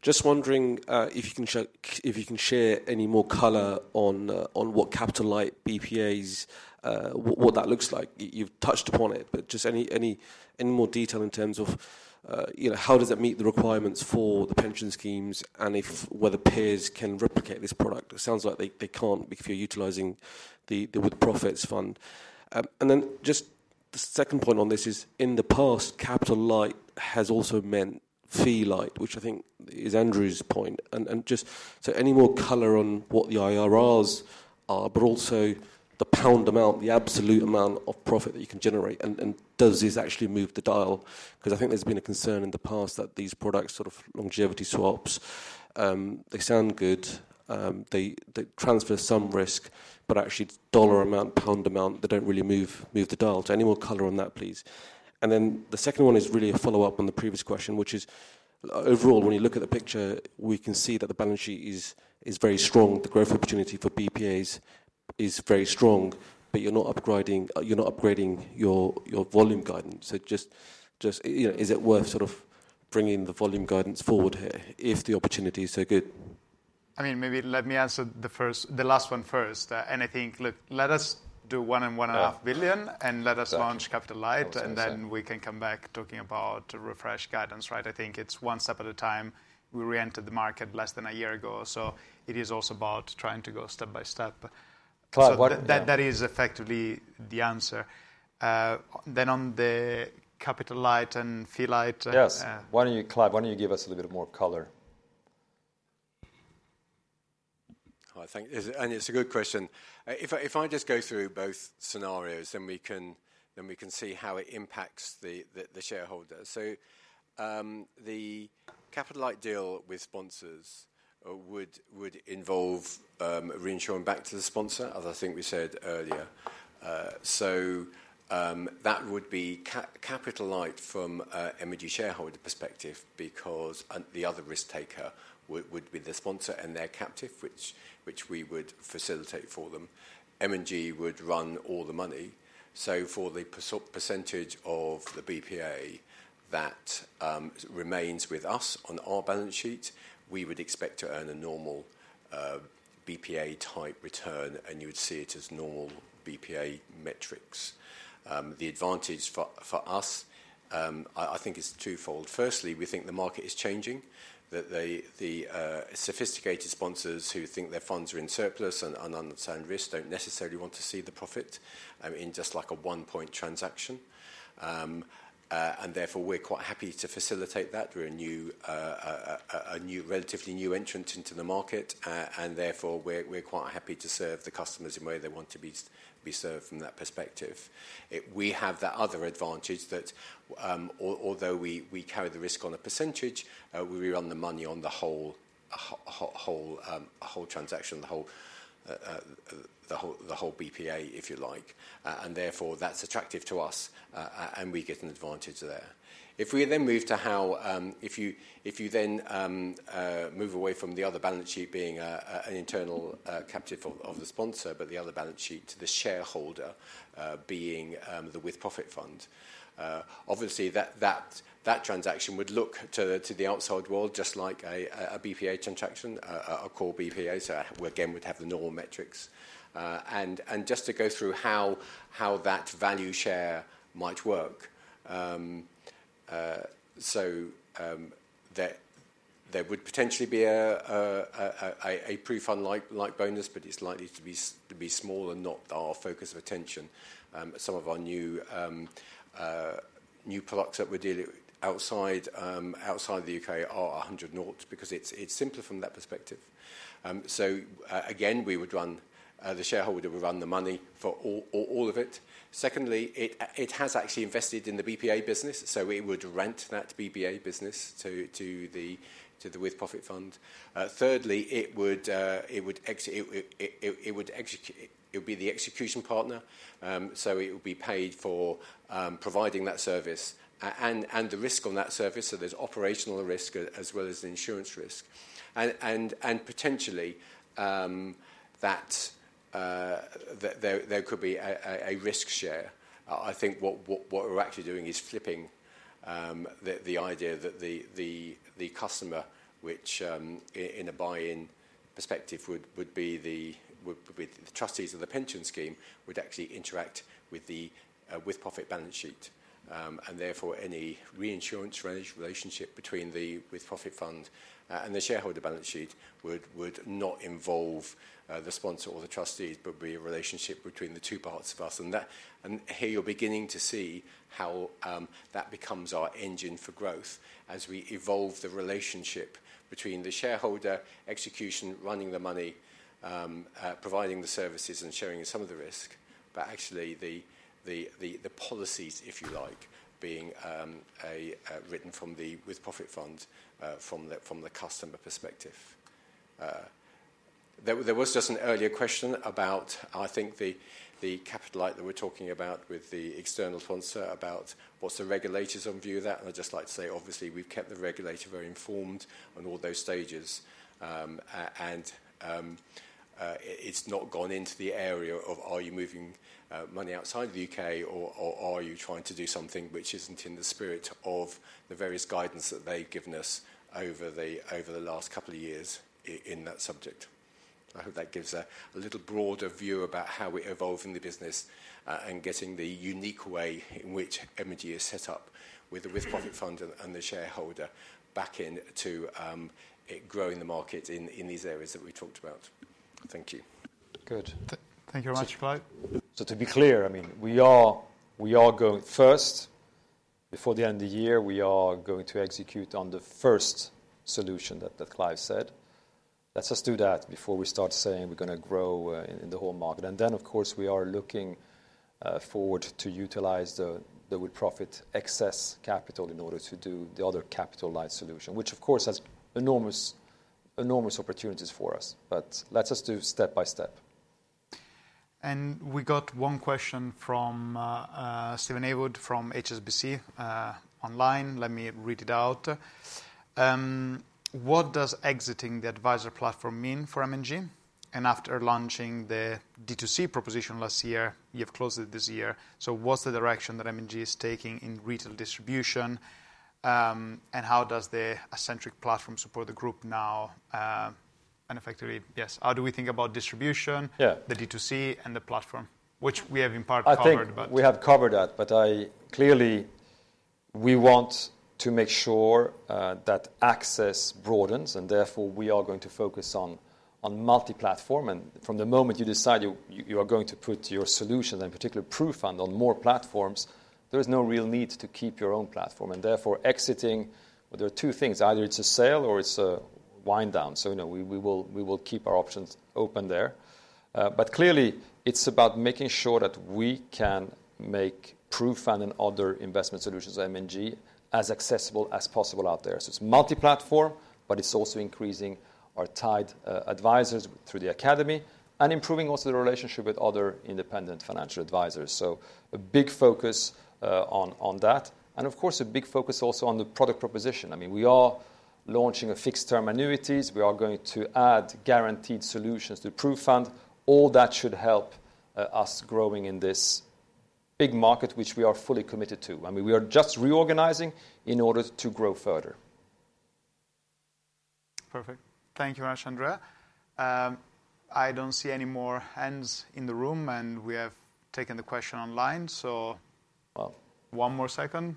Just wondering if you can share any more color on what capital light BPAs, what that looks like? You've touched upon it, but just any more detail in terms of, you know, how does that meet the requirements for the pension schemes and whether peers can replicate this product? It sounds like they can't because you're utilizing the With-Profits Fund. And then just the second point on this is, in the past, capital light has also meant fee light, which I think is Andrew's point, and just... So any more color on what the IRRs are, but also the pound amount, the absolute amount of profit that you can generate, and does this actually move the dial? Because I think there's been a concern in the past that these products, sort of longevity swaps, they sound good, they transfer some risk, but actually, dollar amount, pound amount, they don't really move the dial. So any more color on that, please. And then the second one is really a follow-up on the previous question, which is, overall, when you look at the picture, we can see that the balance sheet is very strong. The growth opportunity for BPAs is very strong, but you're not upgrading your volume guidance. Just, you know, is it worth sort of bringing the volume guidance forward here if the opportunity is so good? I mean, maybe let me answer the first, the last one first. And I think, look, let us do 1 billion and GBP 1.5 billion. Got you. and let us launch Capital Light Of course. and then we can come back talking about refresh guidance, right? I think it's one step at a time. We re-entered the market less than a year ago, so it is also about trying to go step by step. Clive, what- That, that is effectively the answer. Then on the capital light and fee light, Yes. Why don't you, Clive, why don't you give us a little bit more color? Hi, thank you. And it's a good question. If I just go through both scenarios, then we can see how it impacts the shareholder. So, the capital light deal with sponsors would involve reinsuring back to the sponsor, as I think we said earlier. So, that would be capital light from a M&G shareholder perspective because the other risk taker would be the sponsor and their captive, which we would facilitate for them. M&G would run all the money, so for the percentage of the BPA that remains with us on our balance sheet, we would expect to earn a normal BPA type return, and you would see it as normal BPA metrics. The advantage for us, I think is twofold. Firstly, we think the market is changing, that the sophisticated sponsors who think their funds are in surplus and understand risk, don't necessarily want to see the profit in just like a one-point transaction. And therefore, we're quite happy to facilitate that. We're a new, a new, relatively new entrant into the market, and therefore, we're quite happy to serve the customers in a way they want to be served from that perspective. We have that other advantage that, although we carry the risk on a percentage, we run the money on the whole transaction, the whole BPA, if you like. And therefore, that's attractive to us, and we get an advantage there. If we then move to how... If you then move away from the other balance sheet being an internal captive of the sponsor, but the other balance sheet to the shareholder being the With-Profits Fund, obviously, that transaction would look to the outside world just like a BPA transaction, a core BPA, so again, we'd have the normal metrics. Just to go through how that value share might work. So, there would potentially be a PruFund like bonus, but it's likely to be small and not our focus of attention. Some of our new products that we're dealing with outside the U.K. are a 100 nought, because it's simpler from that perspective. So, again, we would run the shareholder would run the money for all of it. Secondly, it has actually invested in the BPA business, so we would rent that BPA business to the With-Profits Fund. Thirdly, it would be the execution partner, so it would be paid for providing that service and the risk on that service. So there's operational risk as well as the insurance risk. And potentially, there could be a risk share. I think what we're actually doing is flipping the idea that the customer, which in a buy-in perspective would be the trustees of the pension scheme, would actually interact with the with-profits balance sheet. And therefore, any reinsurance relationship between the With-Profits Fund and the shareholder balance sheet would not involve the sponsor or the trustees, but be a relationship between the two parts of us. And here you're beginning to see how that becomes our engine for growth as we evolve the relationship between the shareholder, execution, running the money, providing the services, and sharing some of the risk. But actually, the policies, if you like, being written from the With-Profits Fund from the customer perspective. There was just an earlier question about, I think, the capital light that we're talking about with the external sponsor, about what's the regulator's own view of that? And I'd just like to say, obviously, we've kept the regulator very informed on all those stages. And it's not gone into the area of are you moving money outside the U.K., or are you trying to do something which isn't in the spirit of the various guidance that they've given us over the last couple of years in that subject? I hope that gives a little broader view about how we're evolving the business, and getting the unique way in which M&G is set up with the With-Profits Fund and the shareholder back in to growing the market in these areas that we talked about. Thank you. Good. Thank you very much, Clive. So to be clear, I mean, we are going first, before the end of the year, we are going to execute on the first solution that Clive said. Let us do that before we start saying we're going to grow in the whole market. And then, of course, we are looking forward to utilize the with-profit excess capital in order to do the other capital light solution, which, of course, has enormous opportunities for us, but let us do step by step. We got one question from Steven Haywood from HSBC online. Let me read it out. What does exiting the adviser platform mean for M&G? And after launching the D2C proposition last year, you've closed it this year, so what's the direction that M&G is taking in retail distribution, and how does the Ascentric platform support the group now, and effectively... Yes, how do we think about distribution- Yeah... the D2C, and the platform, which we have in part covered, but- I think we have covered that, but clearly we want to make sure that access broadens, and therefore we are going to focus on multi-platform, and from the moment you decide you are going to put your solution, and particularly PruFund, on more platforms, there is no real need to keep your own platform, and therefore exiting, there are two things: either it's a sale or it's a wind down, so you know, we will keep our options open there, but clearly it's about making sure that we can make PruFund and other investment solutions at M&G as accessible as possible out there, so it's multi-platform, but it's also increasing our tied advisers through the academy and improving also the relationship with other independent financial advisers. So a big focus on that, and of course, a big focus also on the product proposition. I mean, we are launching a fixed-term annuities. We are going to add guaranteed solutions to PruFund. All that should help us growing in this big market, which we are fully committed to. I mean, we are just reorganizing in order to grow further. Perfect. Thank you very much, Andrea. I don't see any more hands in the room, and we have taken the question online, so- Well- One more second.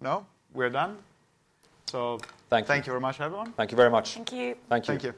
No? We're done. So- Thank you... thank you very much, everyone. Thank you very much. Thank you. Thank you. Thank you.